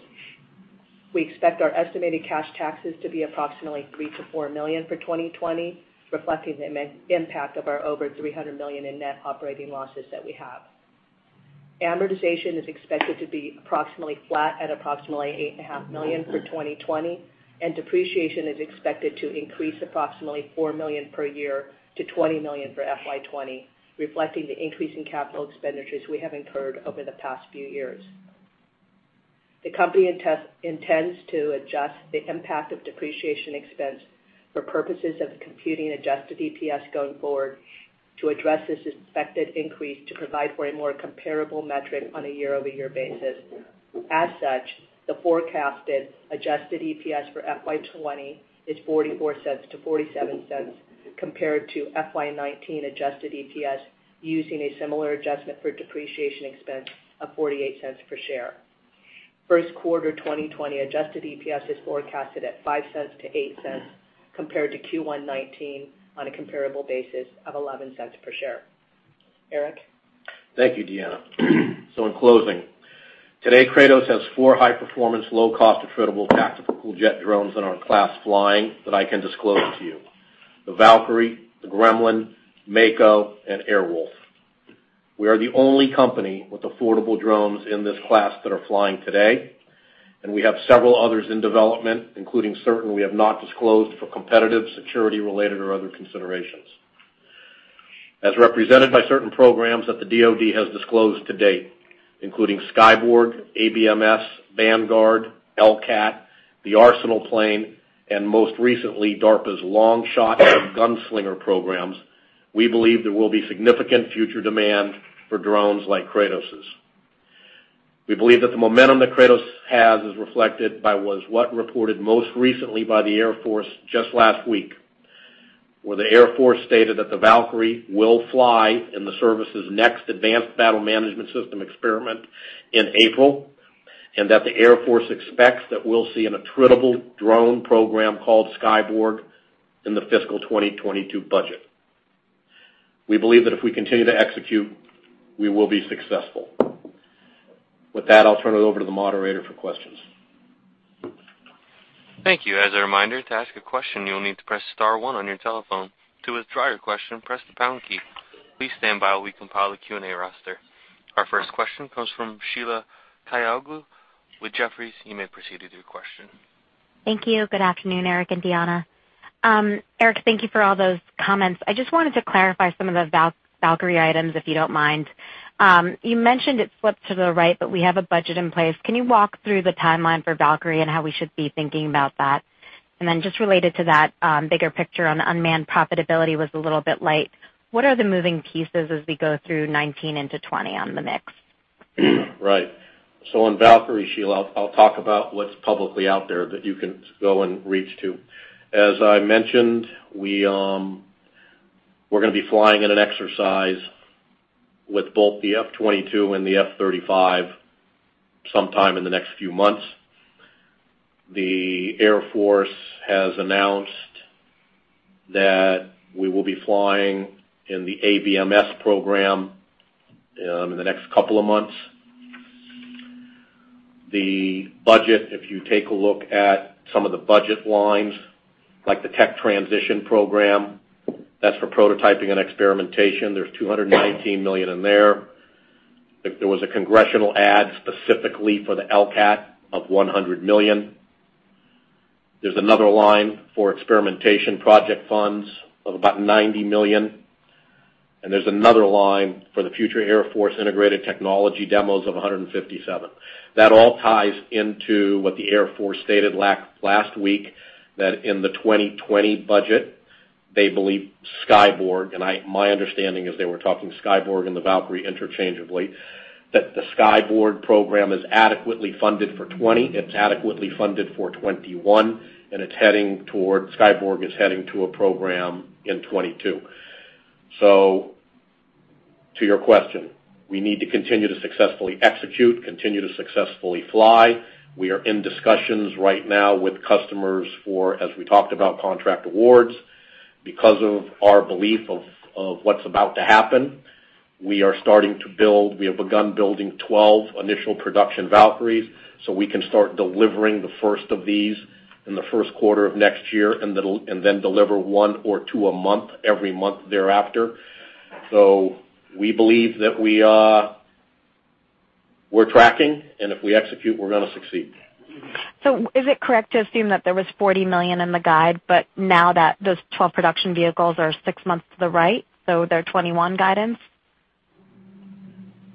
We expect our estimated cash taxes to be approximately $3 million-$4 million for 2020, reflecting the impact of our over $300 million in net operating losses that we have. Amortization is expected to be approximately flat at approximately $8.5 million for 2020. Depreciation is expected to increase approximately $4 million per year to $20 million for FY 2020, reflecting the increase in capital expenditures we have incurred over the past few years. The company intends to adjust the impact of depreciation expense for purposes of computing adjusted EPS going forward to address this expected increase to provide for a more comparable metric on a year-over-year basis. As such, the forecasted adjusted EPS for FY 2020 is $0.44-$0.47, compared to FY 2019 adjusted EPS using a similar adjustment for depreciation expense of $0.48 per share. First quarter 2020 adjusted EPS is forecasted at $0.05-$0.08, compared to Q1 2019 on a comparable basis of $0.11 per share. Eric? Thank you, Deanna. In closing, today, Kratos has four high-performance, low-cost attritable tactical jet drones in our class flying that I can disclose to you. The Valkyrie, the Gremlin, Mako, and Airwolf. We are the only company with affordable drones in this class that are flying today, and we have several others in development, including certain we have not disclosed for competitive, security-related, or other considerations. As represented by certain programs that the DoD has disclosed to date, including Skyborg, ABMS, Vanguard, LCAT, the Arsenal Plane, and, most recently, DARPA's LongShot and Gunslinger programs, we believe there will be significant future demand for drones like Kratos Defense. We believe that the momentum that Kratos has is reflected by was what reported most recently by the Air Force just last week, where the Air Force stated that the Valkyrie will fly in the service's next Advanced Battle Management System experiment in April, and that the Air Force expects that we'll see an attritable drone program called Skyborg in the fiscal 2022 budget. We believe that if we continue to execute, we will be successful. With that, I'll turn it over to the moderator for questions. Thank you. As a reminder, to ask a question, you will need to press star one on your telephone. To withdraw your question, press the pound key. Please stand by while we compile a Q&A roster. Our first question comes from Sheila Kahyaoglu with Jefferies. You may proceed with your question. Thank you. Good afternoon, Eric and Deanna. Eric, thank you for all those comments. I just wanted to clarify some of the Valkyrie items, if you don't mind. You mentioned it slipped to the right. We have a budget in place. Can you walk through the timeline for Valkyrie and how we should be thinking about that? Just related to that, bigger picture on unmanned profitability was a little bit light. What are the moving pieces as we go through 2019 into 2020 on the mix? Right. On Valkyrie, Sheila, I'll talk about what's publicly out there that you can go and reach to. As I mentioned, we're going to be flying in an exercise with both the F-22 and the F-35 sometime in the next few months. The Air Force has announced that we will be flying in the ABMS program in the next couple of months. The budget, if you take a look at some of the budget lines, like the tech transition program, that's for prototyping and experimentation. There's $219 million in there. There was a congressional add specifically for the LCAT of $100 million. There's another line for experimentation project funds of about $90 million. There's another line for the future Air Force integrated technology demos of $157. That all ties into what the Air Force stated last week, that in the 2020 budget, they believe Skyborg, and my understanding is they were talking Skyborg and the Valkyrie interchangeably, that the Skyborg program is adequately funded for 2020, it's adequately funded for 2021, and Skyborg is heading to a program in 2022. To your question, we need to continue to successfully execute, continue to successfully fly. We are in discussions right now with customers for, as we talked about, contract awards. Because of our belief of what's about to happen, we are starting to build. We have begun building 12 initial production Valkyries. We can start delivering the first of these in the first quarter of next year, deliver one or two a month every month thereafter. We believe that we're tracking, if we execute, we're going to succeed. Is it correct to assume that there was $40 million in the guide, but now that those 12 production vehicles are six months to the right, so they're 2021 guidance?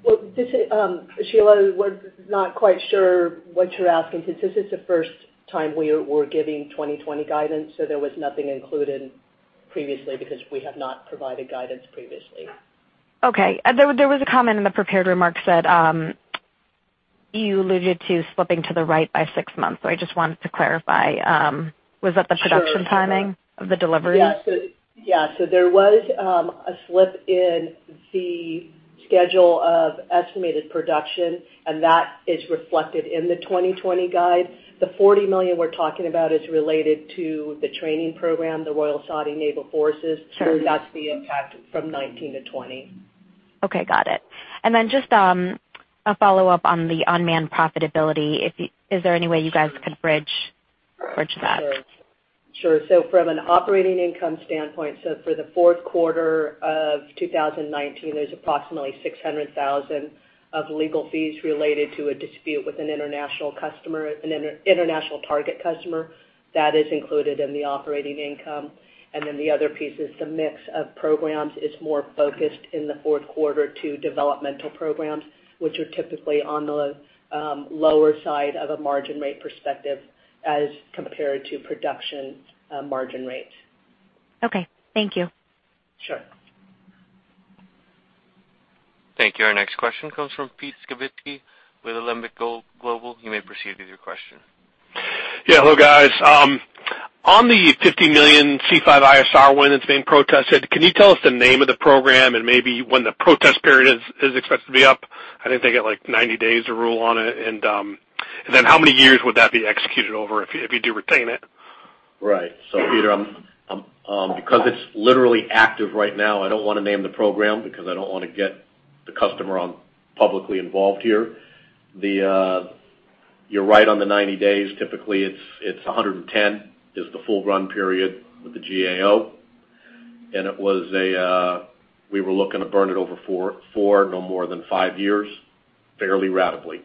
Well, Sheila, we're not quite sure what you're asking, since this is the first time we're giving 2020 guidance, so there was nothing included previously because we have not provided guidance previously. Okay. There was a comment in the prepared remarks that you alluded to slipping to the right by six months. I just wanted to clarify. Was that the production timing of the deliveries? Yeah. There was a slip in the schedule of estimated production, and that is reflected in the 2020 guide. The $40 million we're talking about is related to the training program, the Royal Saudi Naval Forces. Sure. That's the impact from 2019 to 2020. Okay, got it. Just a follow-up on the unmanned profitability. Is there any way you guys can bridge that? Sure. From an operating income standpoint, for the fourth quarter of 2019, there's approximately $600,000 of legal fees related to a dispute with an international target customer. That is included in the operating income. The other piece is the mix of programs is more focused in the fourth quarter to developmental programs, which are typically on the lower side of a margin rate perspective as compared to production margin rates. Okay. Thank you. Sure. Thank you. Our next question comes from Pete Skibitsky with Alembic Global Advisors. You may proceed with your question. Yeah. Hello, guys. On the $50 million C5ISR win that's being protested, can you tell us the name of the program and maybe when the protest period is expected to be up? I think they get 90 days to rule on it. How many years would that be executed over if you do retain it? Right. Pete, because it's literally active right now, I don't want to name the program because I don't want to get the customer publicly involved here. You're right on the 90 days. Typically, it's 110 is the full run period with the GAO. We were looking to burn it over four, no more than five years, fairly rapidly.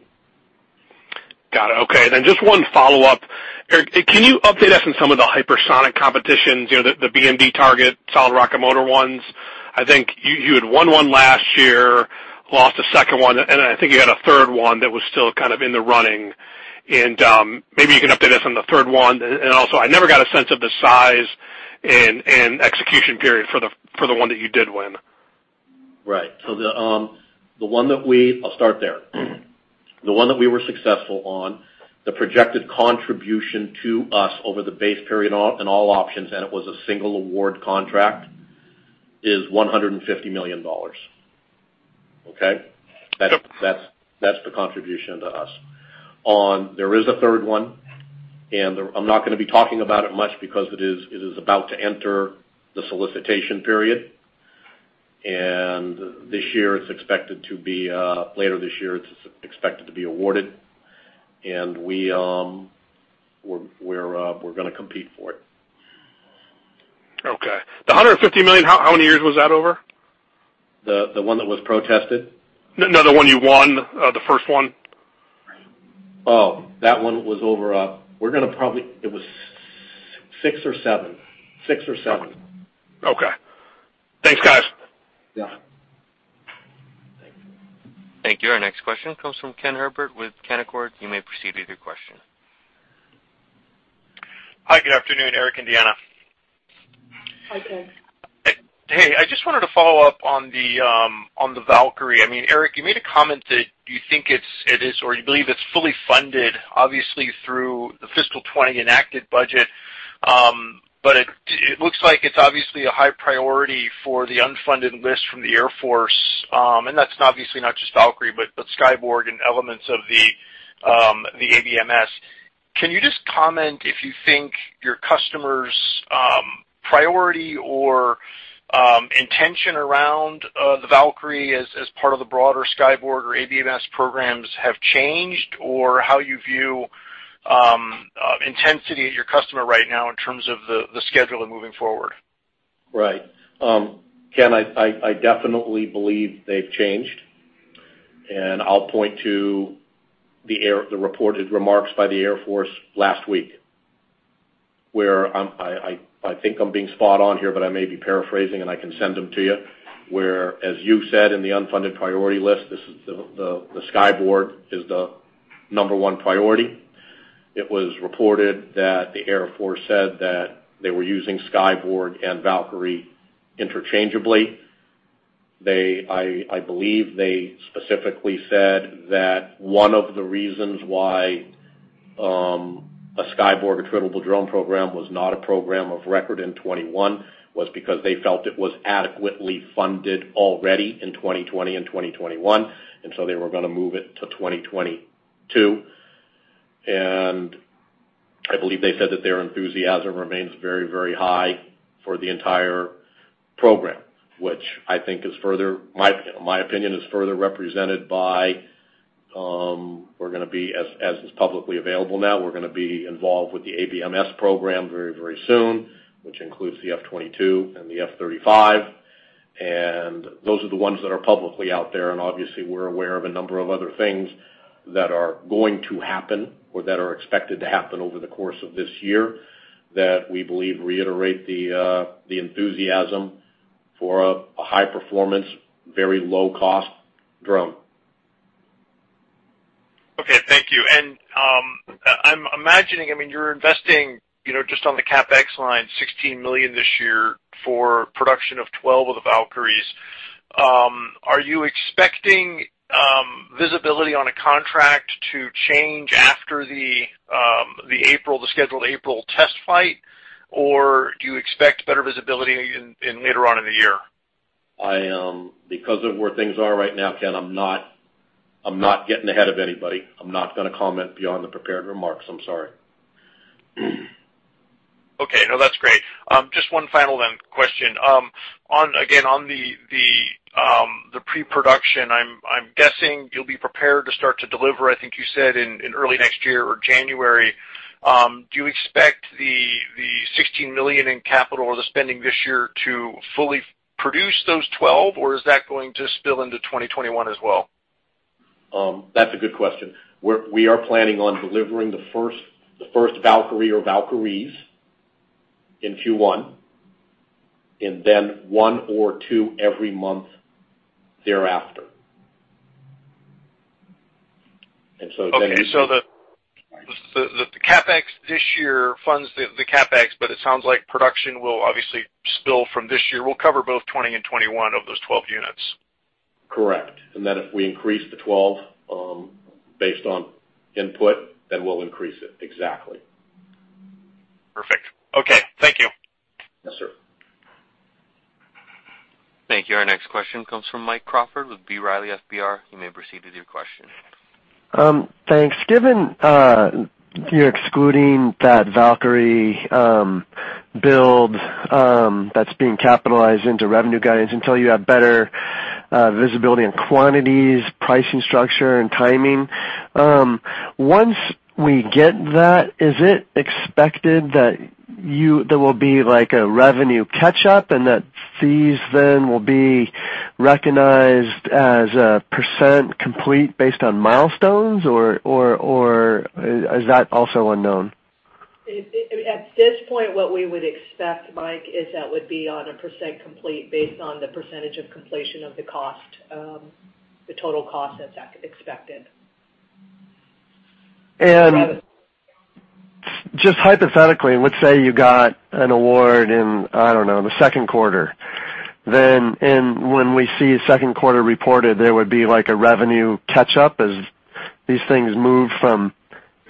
Got it. Okay. Just one follow-up. Eric, can you update us on some of the hypersonic competitions, the BMD target, solid rocket motor ones? I think you had won one last year, lost a second one, and I think you had a third one that was still kind of in the running. Maybe you can update us on the third one. Also, I never got a sense of the size and execution period for the one that you did win. Right. I'll start there. The one that we were successful on, the projected contribution to us over the base period and all options, and it was a single award contract, is $150 million. Okay? Yep. That's the contribution to us. There is a third one. I'm not going to be talking about it much because it is about to enter the solicitation period. Later this year, it's expected to be awarded. We're going to compete for it. Okay. The $150 million, how many years was that over? The one that was protested? No, the one you won, the first one. It was six or seven. Okay. Thanks, guys. Yeah. Thank you. Our next question comes from Kenneth Herbert with Canaccord Genuity. You may proceed with your question. Hi, good afternoon, Eric and Deanna. Hi, Kenneth. Hey, I just wanted to follow up on the Valkyrie. Eric, you made a comment that you think it's, or you believe it's fully funded, obviously, through the FY 2020 enacted budget. It looks like it's obviously a high priority for the unfunded list from the Air Force. That's obviously not just Valkyrie, but Skyborg and elements of the ABMS. Can you just comment if you think your customers' priority or intention around the Valkyrie as part of the broader Skyborg or ABMS programs have changed? Or how you view intensity at your customer right now in terms of the schedule and moving forward? Right. Kenneth, I definitely believe they've changed. I'll point to the reported remarks by the Air Force last week, where I think I'm being spot on here, but I may be paraphrasing, and I can send them to you, where, as you said, in the unfunded priority list, the Skyborg is the number one priority. It was reported that the Air Force said that they were using Skyborg and Valkyrie interchangeably. I believe they specifically said that one of the reasons why a Skyborg, attritable drone program, was not a program of record in 2021 was because they felt it was adequately funded already in 2020 and 2021, they were going to move it to 2022. I believe they said that their enthusiasm remains very high for the entire program, which, I think in my opinion, is further represented by, as is publicly available now, we're going to be involved with the ABMS program very soon, which includes the F-22 and the F-35. Those are the ones that are publicly out there, and obviously, we're aware of a number of other things that are going to happen or that are expected to happen over the course of this year that we believe reiterate the enthusiasm for a high performance, very low-cost drone. Okay, thank you. I'm imagining, you're investing, just on the CapEx line, $16 million this year for production of 12 of the Valkyries. Are you expecting visibility on a contract to change after the scheduled April test flight? Do you expect better visibility later on in the year? Because of where things are right now, Kenneth, I'm not getting ahead of anybody. I'm not going to comment beyond the prepared remarks. I'm sorry. Okay. No, that's great. Just one final question. Again, on the pre-production, I'm guessing you'll be prepared to start to deliver, I think you said in early next year or January. Do you expect the $16 million in capital or the spending this year to fully produce those 12, or is that going to spill into 2021 as well? That's a good question. We are planning on delivering the first Valkyrie or Valkyries in Q1, and then one or two every month thereafter. Okay. The CapEx this year funds the CapEx, but it sounds like production will obviously spill from this year, will cover both 2020 and 2021 of those 12 units. Correct. If we increase the 12, based on input, then we'll increase it. Exactly. Perfect. Okay. Thank you. Yes, sir. Thank you. Our next question comes from Mike Crawford with B. Riley FBR. You may proceed with your question. Thanks. Given you're excluding that Valkyrie build that's being capitalized into revenue guidance until you have better visibility on quantities, pricing structure, and timing. Once we get that, is it expected that there will be a revenue catch-up and that fees then will be recognized as a percent complete based on milestones, or is that also unknown? At this point, what we would expect, Mike, is that would be on a percent complete based on the percentage of completion of the total cost that's expected. Just hypothetically, let's say you got an award in, I don't know, the second quarter. When we see second quarter reported, there would be a revenue catch-up as these things move from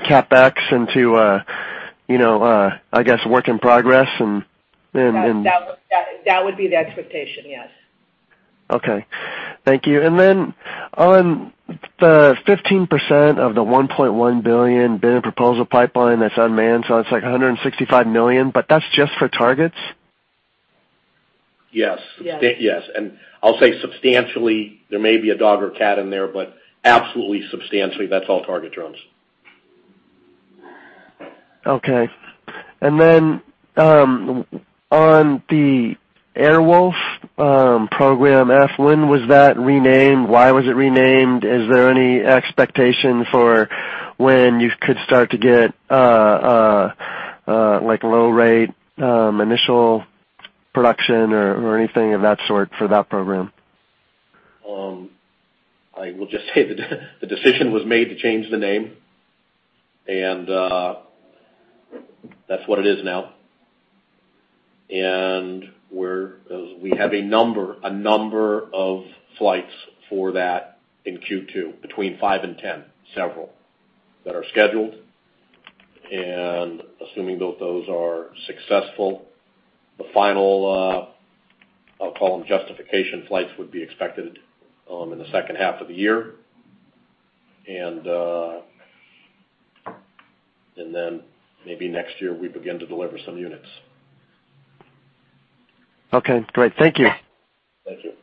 CapEx into, I guess, work in progress. That would be the expectation, yes. Okay. Thank you. On the 15% of the $1.1 billion bid proposal pipeline that's unmanned, so it's like $165 million, but that's just for targets? Yes. Yes. Yes. I'll say substantially, there may be a dog or cat in there, but absolutely substantially, that's all target drones. Okay. On the Airwolf program F, when was that renamed? Why was it renamed? Is there any expectation for when you could start to get low rate initial production or anything of that sort for that program? I will just say the decision was made to change the name, and that's what it is now. We have a number of flights for that in Q2, between 5 and 10, several, that are scheduled. Assuming those are successful, the final, I'll call them justification flights, would be expected in the second half of the year. Then maybe next year we begin to deliver some units. Okay, great. Thank you. Thank you.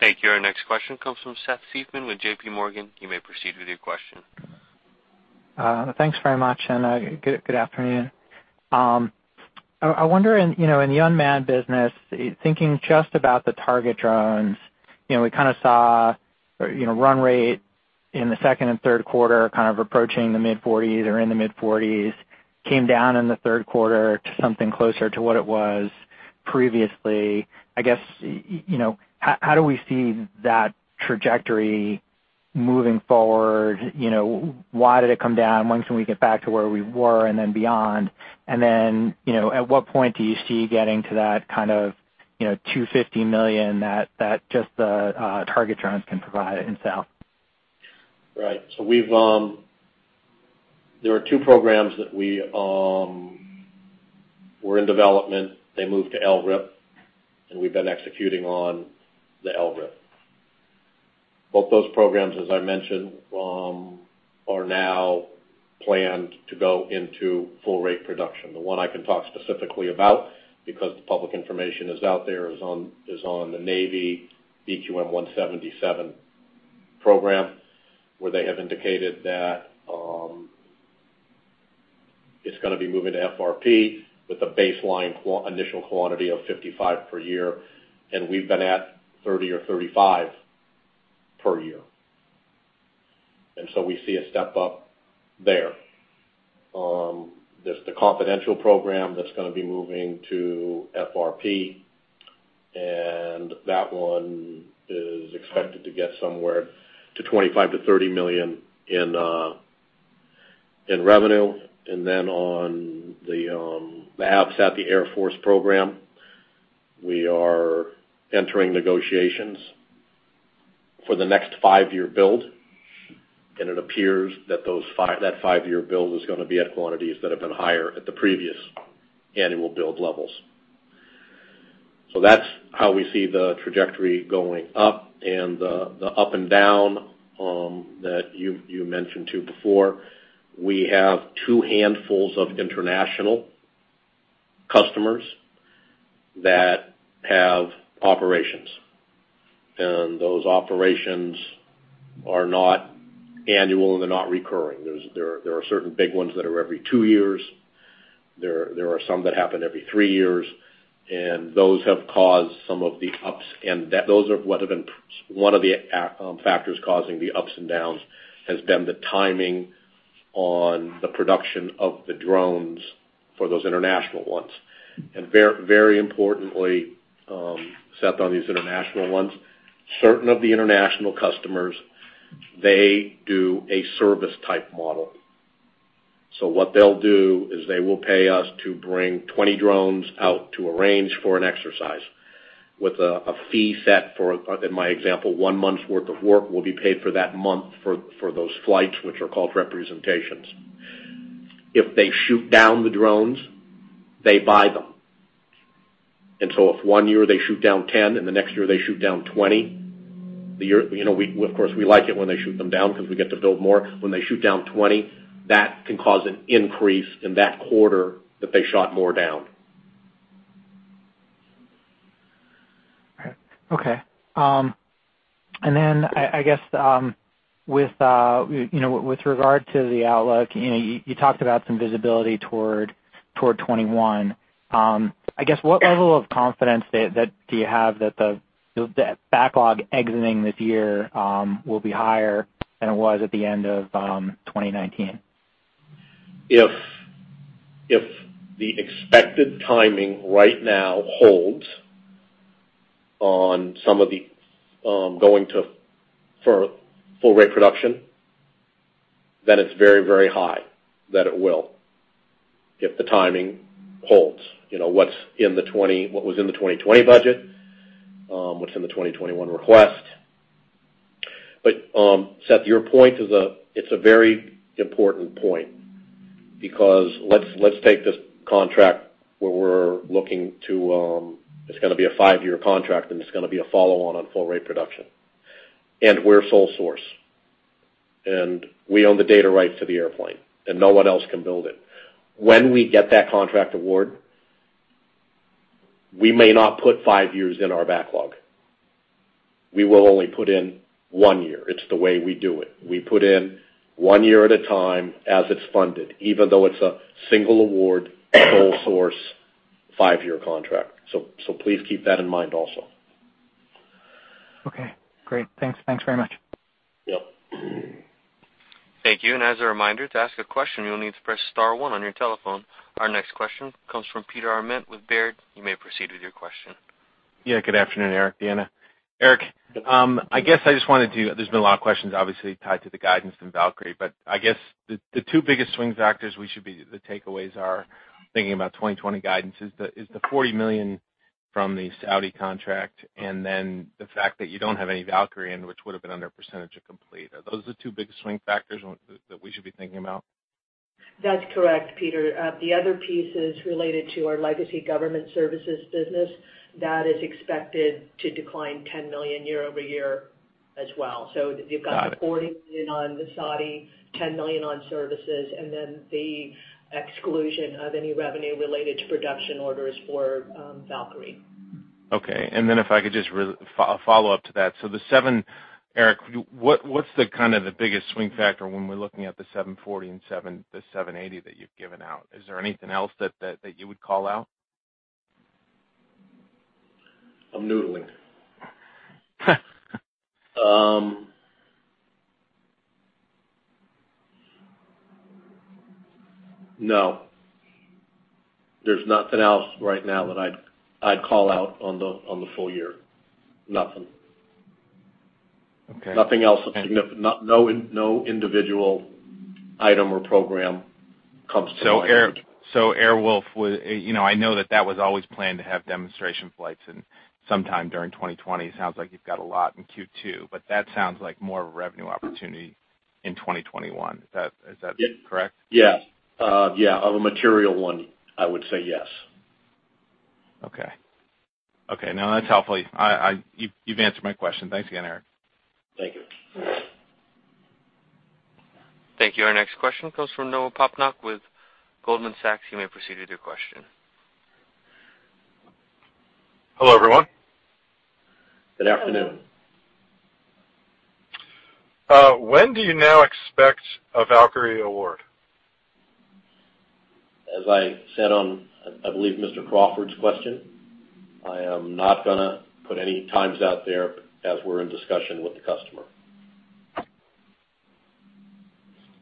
Thank you. Our next question comes from Seth Seifman with JPMorgan. You may proceed with your question. Thanks very much, good afternoon. I wonder, in the unmanned business, thinking just about the target drones, we kind of saw run rate in the second and third quarter kind of approaching the mid-40s or in the mid-40s. Came down in the third quarter to something closer to what it was previously. I guess, how do we see that trajectory moving forward? Why did it come down? When can we get back to where we were and then beyond? At what point do you see getting to that kind of $250 million that just the target drones can provide in sales? Right. There were two programs that were in development. They moved to LRIP, and we've been executing on the LRIP. Both those programs, as I mentioned, are now planned to go into full-rate production. The one I can talk specifically about, because the public information is out there, is on the Navy BQM-177 program, where they have indicated that it's going to be moving to FRP with a baseline initial quantity of 55 per year, and we've been at 30 or 35 per year. There's the confidential program that's going to be moving to FRP, and that one is expected to get somewhere to $25 million-$30 million in revenue. On the labs at the Air Force program, we are entering negotiations for the next five-year build. It appears that five-year build is going to be at quantities that have been higher at the previous annual build levels. That's how we see the trajectory going up. The up and down that you mentioned too before, we have two handfuls of international customers that have operations. Those operations are not annual, and they're not recurring. There are certain big ones that are every two years. There are some that happen every three years. Those have caused some of the ups, and those are what have been one of the factors causing the ups and downs, has been the timing on the production of the drones for those international ones. Very importantly, Seth, on these international ones, certain of the international customers they do a service-type model. What they'll do is they will pay us to bring 20 drones out to a range for an exercise, with a fee set for, in my example, one month's worth of work will be paid for that month for those flights, which are called representations. If they shoot down the drones, they buy them. If one year they shoot down 10 and the next year they shoot down 20, of course, we like it when they shoot them down because we get to build more. When they shoot down 20, that can cause an increase in that quarter that they shot more down. Okay. I guess, with regard to the outlook, you talked about some visibility toward 2021. I guess what level of confidence do you have that the backlog exiting this year will be higher than it was at the end of 2019? If the expected timing right now holds on some of the going to full-rate production, then it's very very high that it will. If the timing holds. What was in the 2020 budget, what's in the 2021 request? Seth, your point, it's a very important point because let's take this contract, where it's going to be a five-year contract, and it's going to be a follow-on full-rate production. We're sole-source. We own the data rights to the airplane, and no one else can build it. When we get that contract award, we may not put five years in our backlog. We will only put in one year. It's the way we do it. We put in one year at a time as it's funded, even though it's a single award, sole source, five-year contract. Please keep that in mind also. Okay, great. Thanks very much. Yep. Thank you. As a reminder, to ask a question, you'll need to press star one on your telephone. Our next question comes from Peter Arment with Baird. You may proceed with your question. Good afternoon, Eric, Deanna. Eric, I guess I just wanted to do, there's been a lot of questions obviously tied to the guidance in Valkyrie. I guess the two biggest swing factors the takeaways are, thinking about 2020 guidance, is the $40 million from the Saudi contract, and then the fact that you don't have any Valkyrie in, which would've been under percentage of completion. Are those the two biggest swing factors that we should be thinking about? That's correct, Peter. The other piece is related to our legacy government services business. That is expected to decline $10 million year-over-year as well. Got it. You've got the $40 million on the Saudi, $10 million on services, and then the exclusion of any revenue related to production orders for Valkyrie. Okay. If I could just follow up to that. The seven, Eric, what's the kind of the biggest swing factor when we're looking at the 740 and the 780 that you've given out? Is there anything else that you would call out? I'm noodling. No. There's nothing else right now that I'd call out on the full year. Nothing. Okay. Nothing else of significance. No individual item or program comes to mind. Airwolf, I know that that was always planned to have demonstration flights sometime during 2020. It sounds like you've got a lot in Q2, but that sounds like more of a revenue opportunity in 2021. Is that correct? Yes. Yeah. Of a material one, I would say yes. Okay. Now that's helpful. You've answered my question. Thanks again, Eric. Thank you. Thank you. Our next question comes from Noah Poponak with Goldman Sachs. You may proceed with your question. Hello, everyone. Good afternoon. When do you now expect a Valkyrie award? As I said on, I believe Mr. Crawford's question, I am not going to put any times out there as we're in discussion with the customer.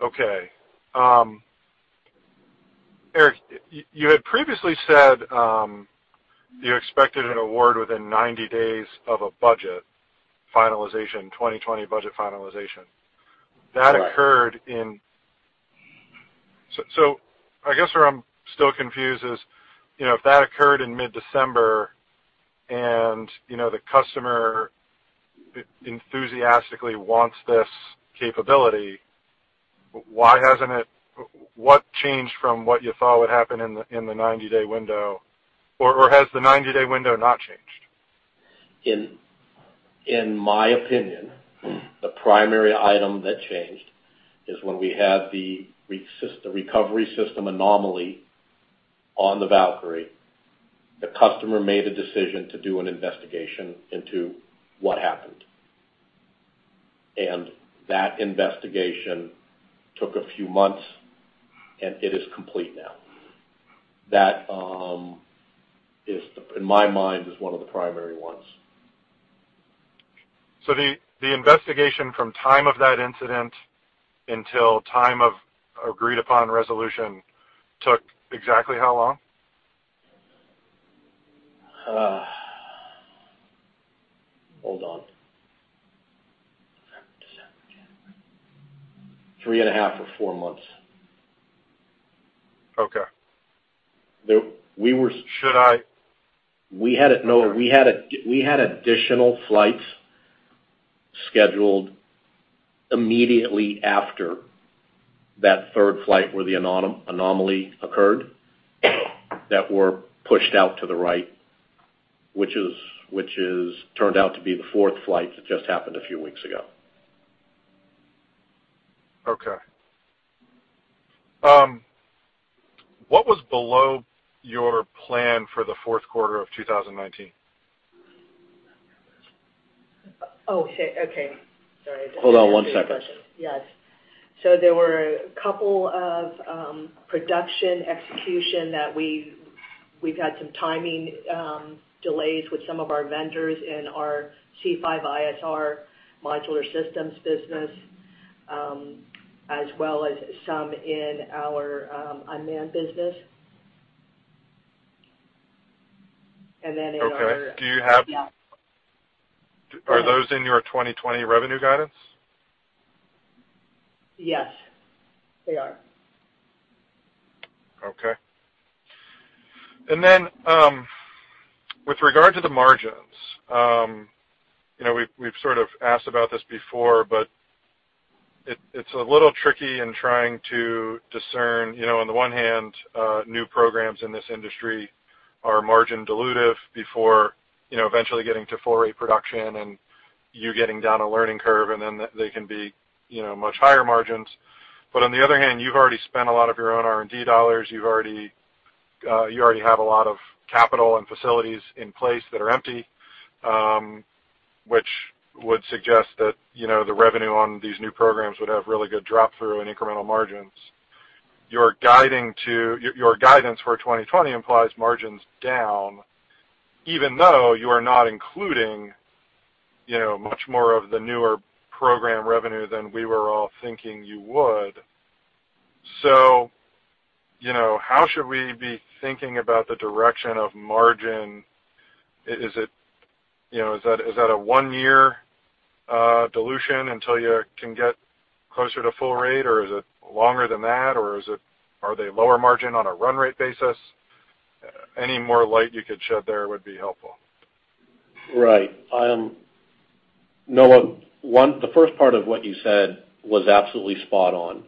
Okay. Eric, you had previously said you expected an award within 90 days of a budget finalization 2020 budget finalization. Right. I guess where I'm still confused is, if that occurred in mid-December and the customer enthusiastically wants this capability, what changed from what you thought would happen in the 90-day window, or has the 90-day window not changed? In my opinion, the primary item that changed is when we had the recovery system anomaly on the Valkyrie. The customer made a decision to do an investigation into what happened, and that investigation took a few months, and it is complete now. That, in my mind, is one of the primary ones. The investigation from the time of that incident until the time of agreed-upon resolution took exactly how long? Hold on. December. Three and a half or four months. Okay. We were- Should I- Noah, we had additional flights scheduled immediately after that third flight where the anomaly occurred that we're pushed out to the right, which turned out to be the fourth flight that just happened a few weeks ago. Okay. What was below your plan for the fourth quarter of 2019? Oh, okay. Sorry. Hold on one second. Yes. There were a couple of production execution that we've had some timing delays with some of our vendors in our C5ISR modular systems business, as well as some in our Unmanned business. And then in our- Okay. Are those in your 2020 revenue guidance? Yes, they are. Okay. With regard to the margins, we've sort of asked about this before, but it's a little tricky in trying to discern. On the one hand, new programs in this industry are margin dilutive before eventually getting to full rate production, and you're getting down a learning curve, and then they can be much higher margins. On the other hand, you've already spent a lot of your own R&D dollars. You already have a lot of capital and facilities in place that are empty, which would suggest that the revenue on these new programs would have really good drop-through and incremental margins you're guiding to. Your guidance for 2020 implies margins down, even though you are not including much more of the newer program revenue than we were all thinking you would. How should we be thinking about the direction of margin? Is that a one-year dilution until you can get closer to full-rate, or is it longer than that, or are they lower margin on a run-rate basis? Any more light you could shed there would be helpful. Right. Noah, the first part of what you said was absolutely spot on.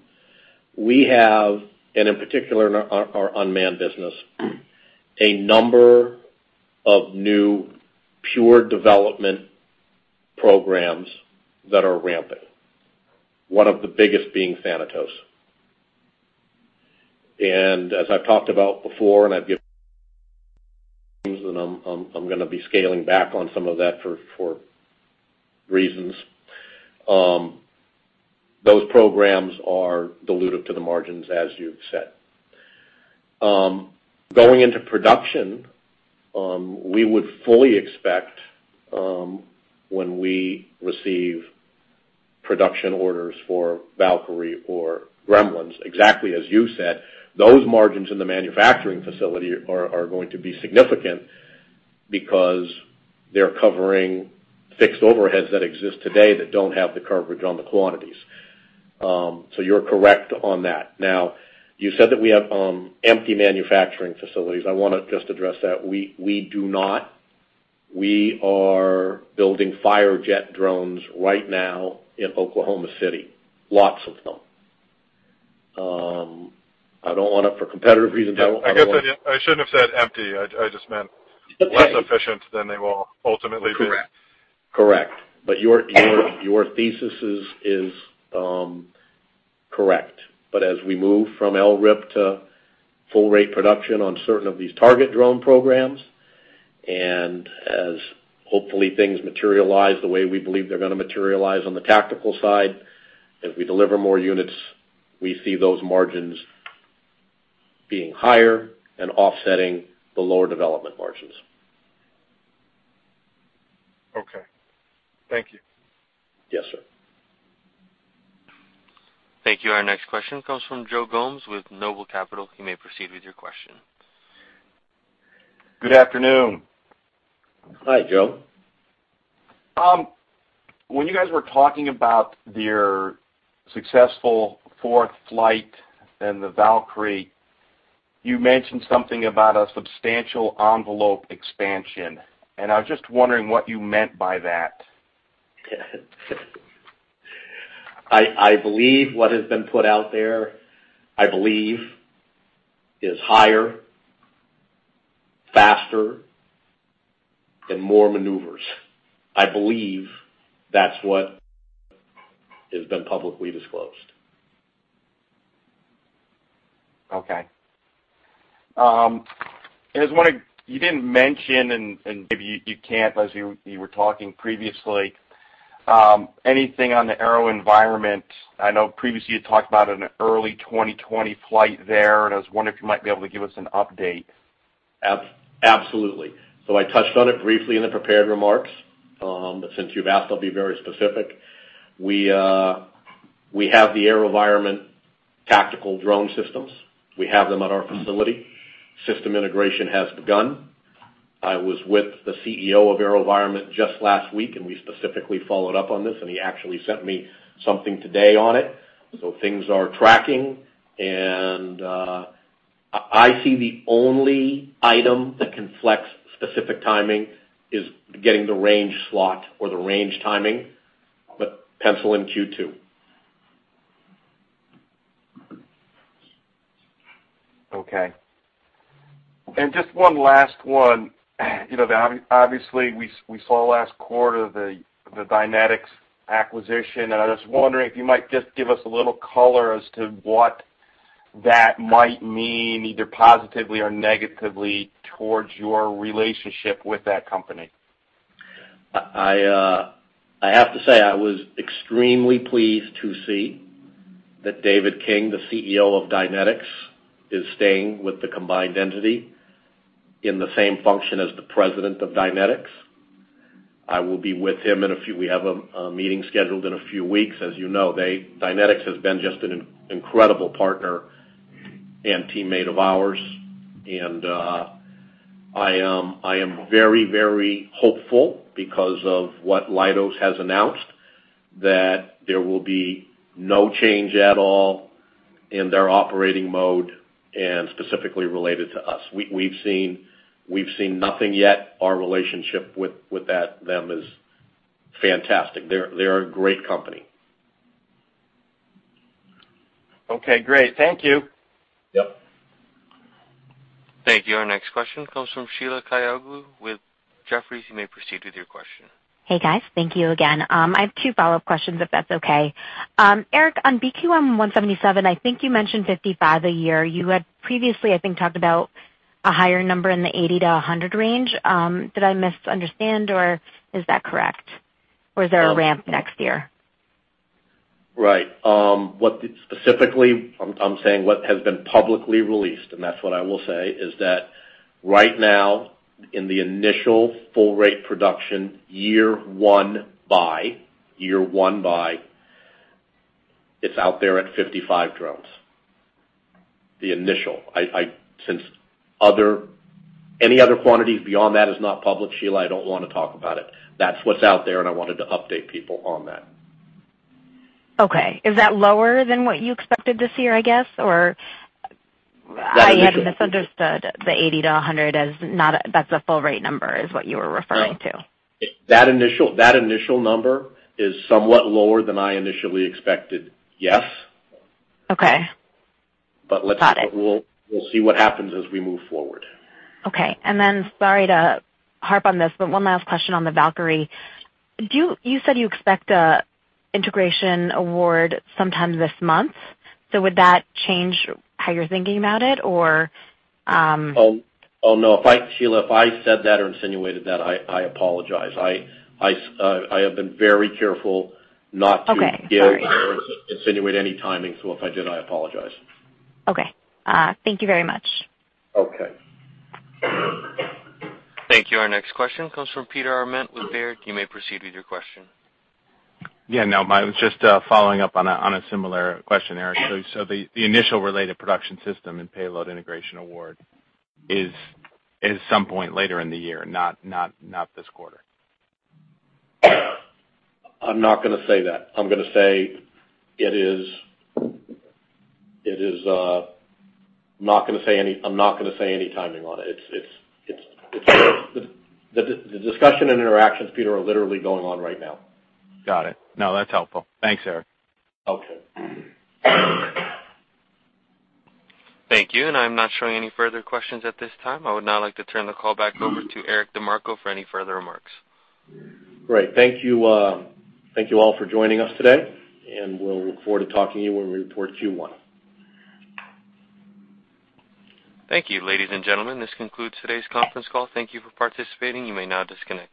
We have, in particular, in our unmanned business, a number of new pure development programs that are ramping, one of the biggest being Thanatos. As I've talked about before, I've given, and I'm going to be scaling back on some of that for reasons. Those programs are dilutive to the margins, as you've said. Going into production, we would fully expect, when we receive production orders for Valkyrie or Gremlins, exactly as you said, those margins in the manufacturing facility are going to be significant because they're covering fixed overheads that exist today that don't have the coverage on the quantities. You're correct on that. You said that we have empty manufacturing facilities. I want to just address that. We do not. We are building Firejet drones right now in Oklahoma City, lots of them. I don't want to, for competitive reasons. I guess I shouldn't have said empty. I just meant less efficient than they will ultimately be. Correct. Your thesis is correct. As we move from LRIP to full-rate production on certain of these target drone programs, and as, hopefully, things materialize the way we believe they're going to materialize on the tactical side, if we deliver more units, we see those margins being higher and offsetting the lower development margins. Okay. Thank you. Yes, sir. Thank you. Our next question comes from Joe Gomes with Noble Capital. You may proceed with your question. Good afternoon. Hi, Joe. When you guys were talking about your successful fourth flight in the Valkyrie, you mentioned something about a substantial envelope expansion, and I was just wondering what you meant by that. I believe what has been put out there, I believe is higher, faster, and more maneuvers. I believe that's what has been publicly disclosed. Okay. You didn't mention, and maybe you can't, as you were talking previously, anything on the AeroVironment. I know previously you talked about an early 2020 flight there, and I was wondering if you might be able to give us an update. Absolutely. I touched on it briefly in the prepared remarks. Since you've asked, I'll be very specific. We have the AeroVironment tactical drone systems. We have them at our facility. System integration has begun. I was with the CEO of AeroVironment just last week, and we specifically followed up on this, and he actually sent me something today on it. Things are tracking, and I see the only item that can flex specific timing is getting the range slot or the range timing, but pencil in Q2. Okay. Just one last one. Obviously, we saw last quarter the Dynetics acquisition, and I was wondering if you might just give us a little color as to what that might mean, either positively or negatively, towards your relationship with that company. I have to say, I was extremely pleased to see that David King, the CEO of Dynetics, is staying with the combined entity in the same function as the President of Dynetics. We have a meeting scheduled in a few weeks. As you know, Dynetics has been just an incredible partner and teammate of ours. I am very hopeful because of what Leidos has announced, that there will be no change at all in their operating mode, and specifically related to us. We've seen nothing yet. Our relationship with them is fantastic. They are a great company. Okay, great. Thank you. Yep. Thank you. Our next question comes from Sheila Kahyaoglu with Jefferies. You may proceed with your question. Hey, guys. Thank you again. I have two follow-up questions, if that's okay. Eric, on BQM-177, I think you mentioned 55 a year. You had previously, I think, talked about a higher number in the 80 to 100 range. Did I misunderstand or is that correct? Is there a ramp next year? Right. Specifically, I'm saying what has been publicly released. That's what I will say, is that right now in the initial full rate production year one buy, it's out there at 55 drones. Any other quantities beyond that is not public, Sheila. I don't want to talk about it. That's what's out there. I wanted to update people on that. Okay. Is that lower than what you expected this year, I guess? I had misunderstood the 80-100 as that's a full rate number is what you were referring to. That initial number is somewhat lower than I initially expected, yes. Okay. Got it. We'll see what happens as we move forward. Okay. Sorry to harp on this, one last question on the Valkyrie. You said you expect a integration award sometime this month. Would that change how you're thinking about it or? Oh, no. Sheila, if I said that or insinuated that, I apologize. I have been very careful not to. Okay. Sorry give or insinuate any timing, so if I did, I apologize. Okay. Thank you very much. Okay. Thank you. Our next question comes from Peter Arment with Baird. You may proceed with your question. Yeah, no, I was just following up on a similar question, Eric. The initial related production system and payload integration award is some point later in the year, not this quarter? I'm not going to say that. I'm not going to say any timing on it. The discussion and interactions, Peter, are literally going on right now. Got it. No, that's helpful. Thanks, Eric. Okay. Thank you. I'm not showing any further questions at this time. I would now like to turn the call back over to Eric DeMarco for any further remarks. Great. Thank you all for joining us today, and we'll look forward to talking to you when we report Q1. Thank you, ladies and gentlemen. This concludes today's conference call. Thank you for participating. You may now disconnect.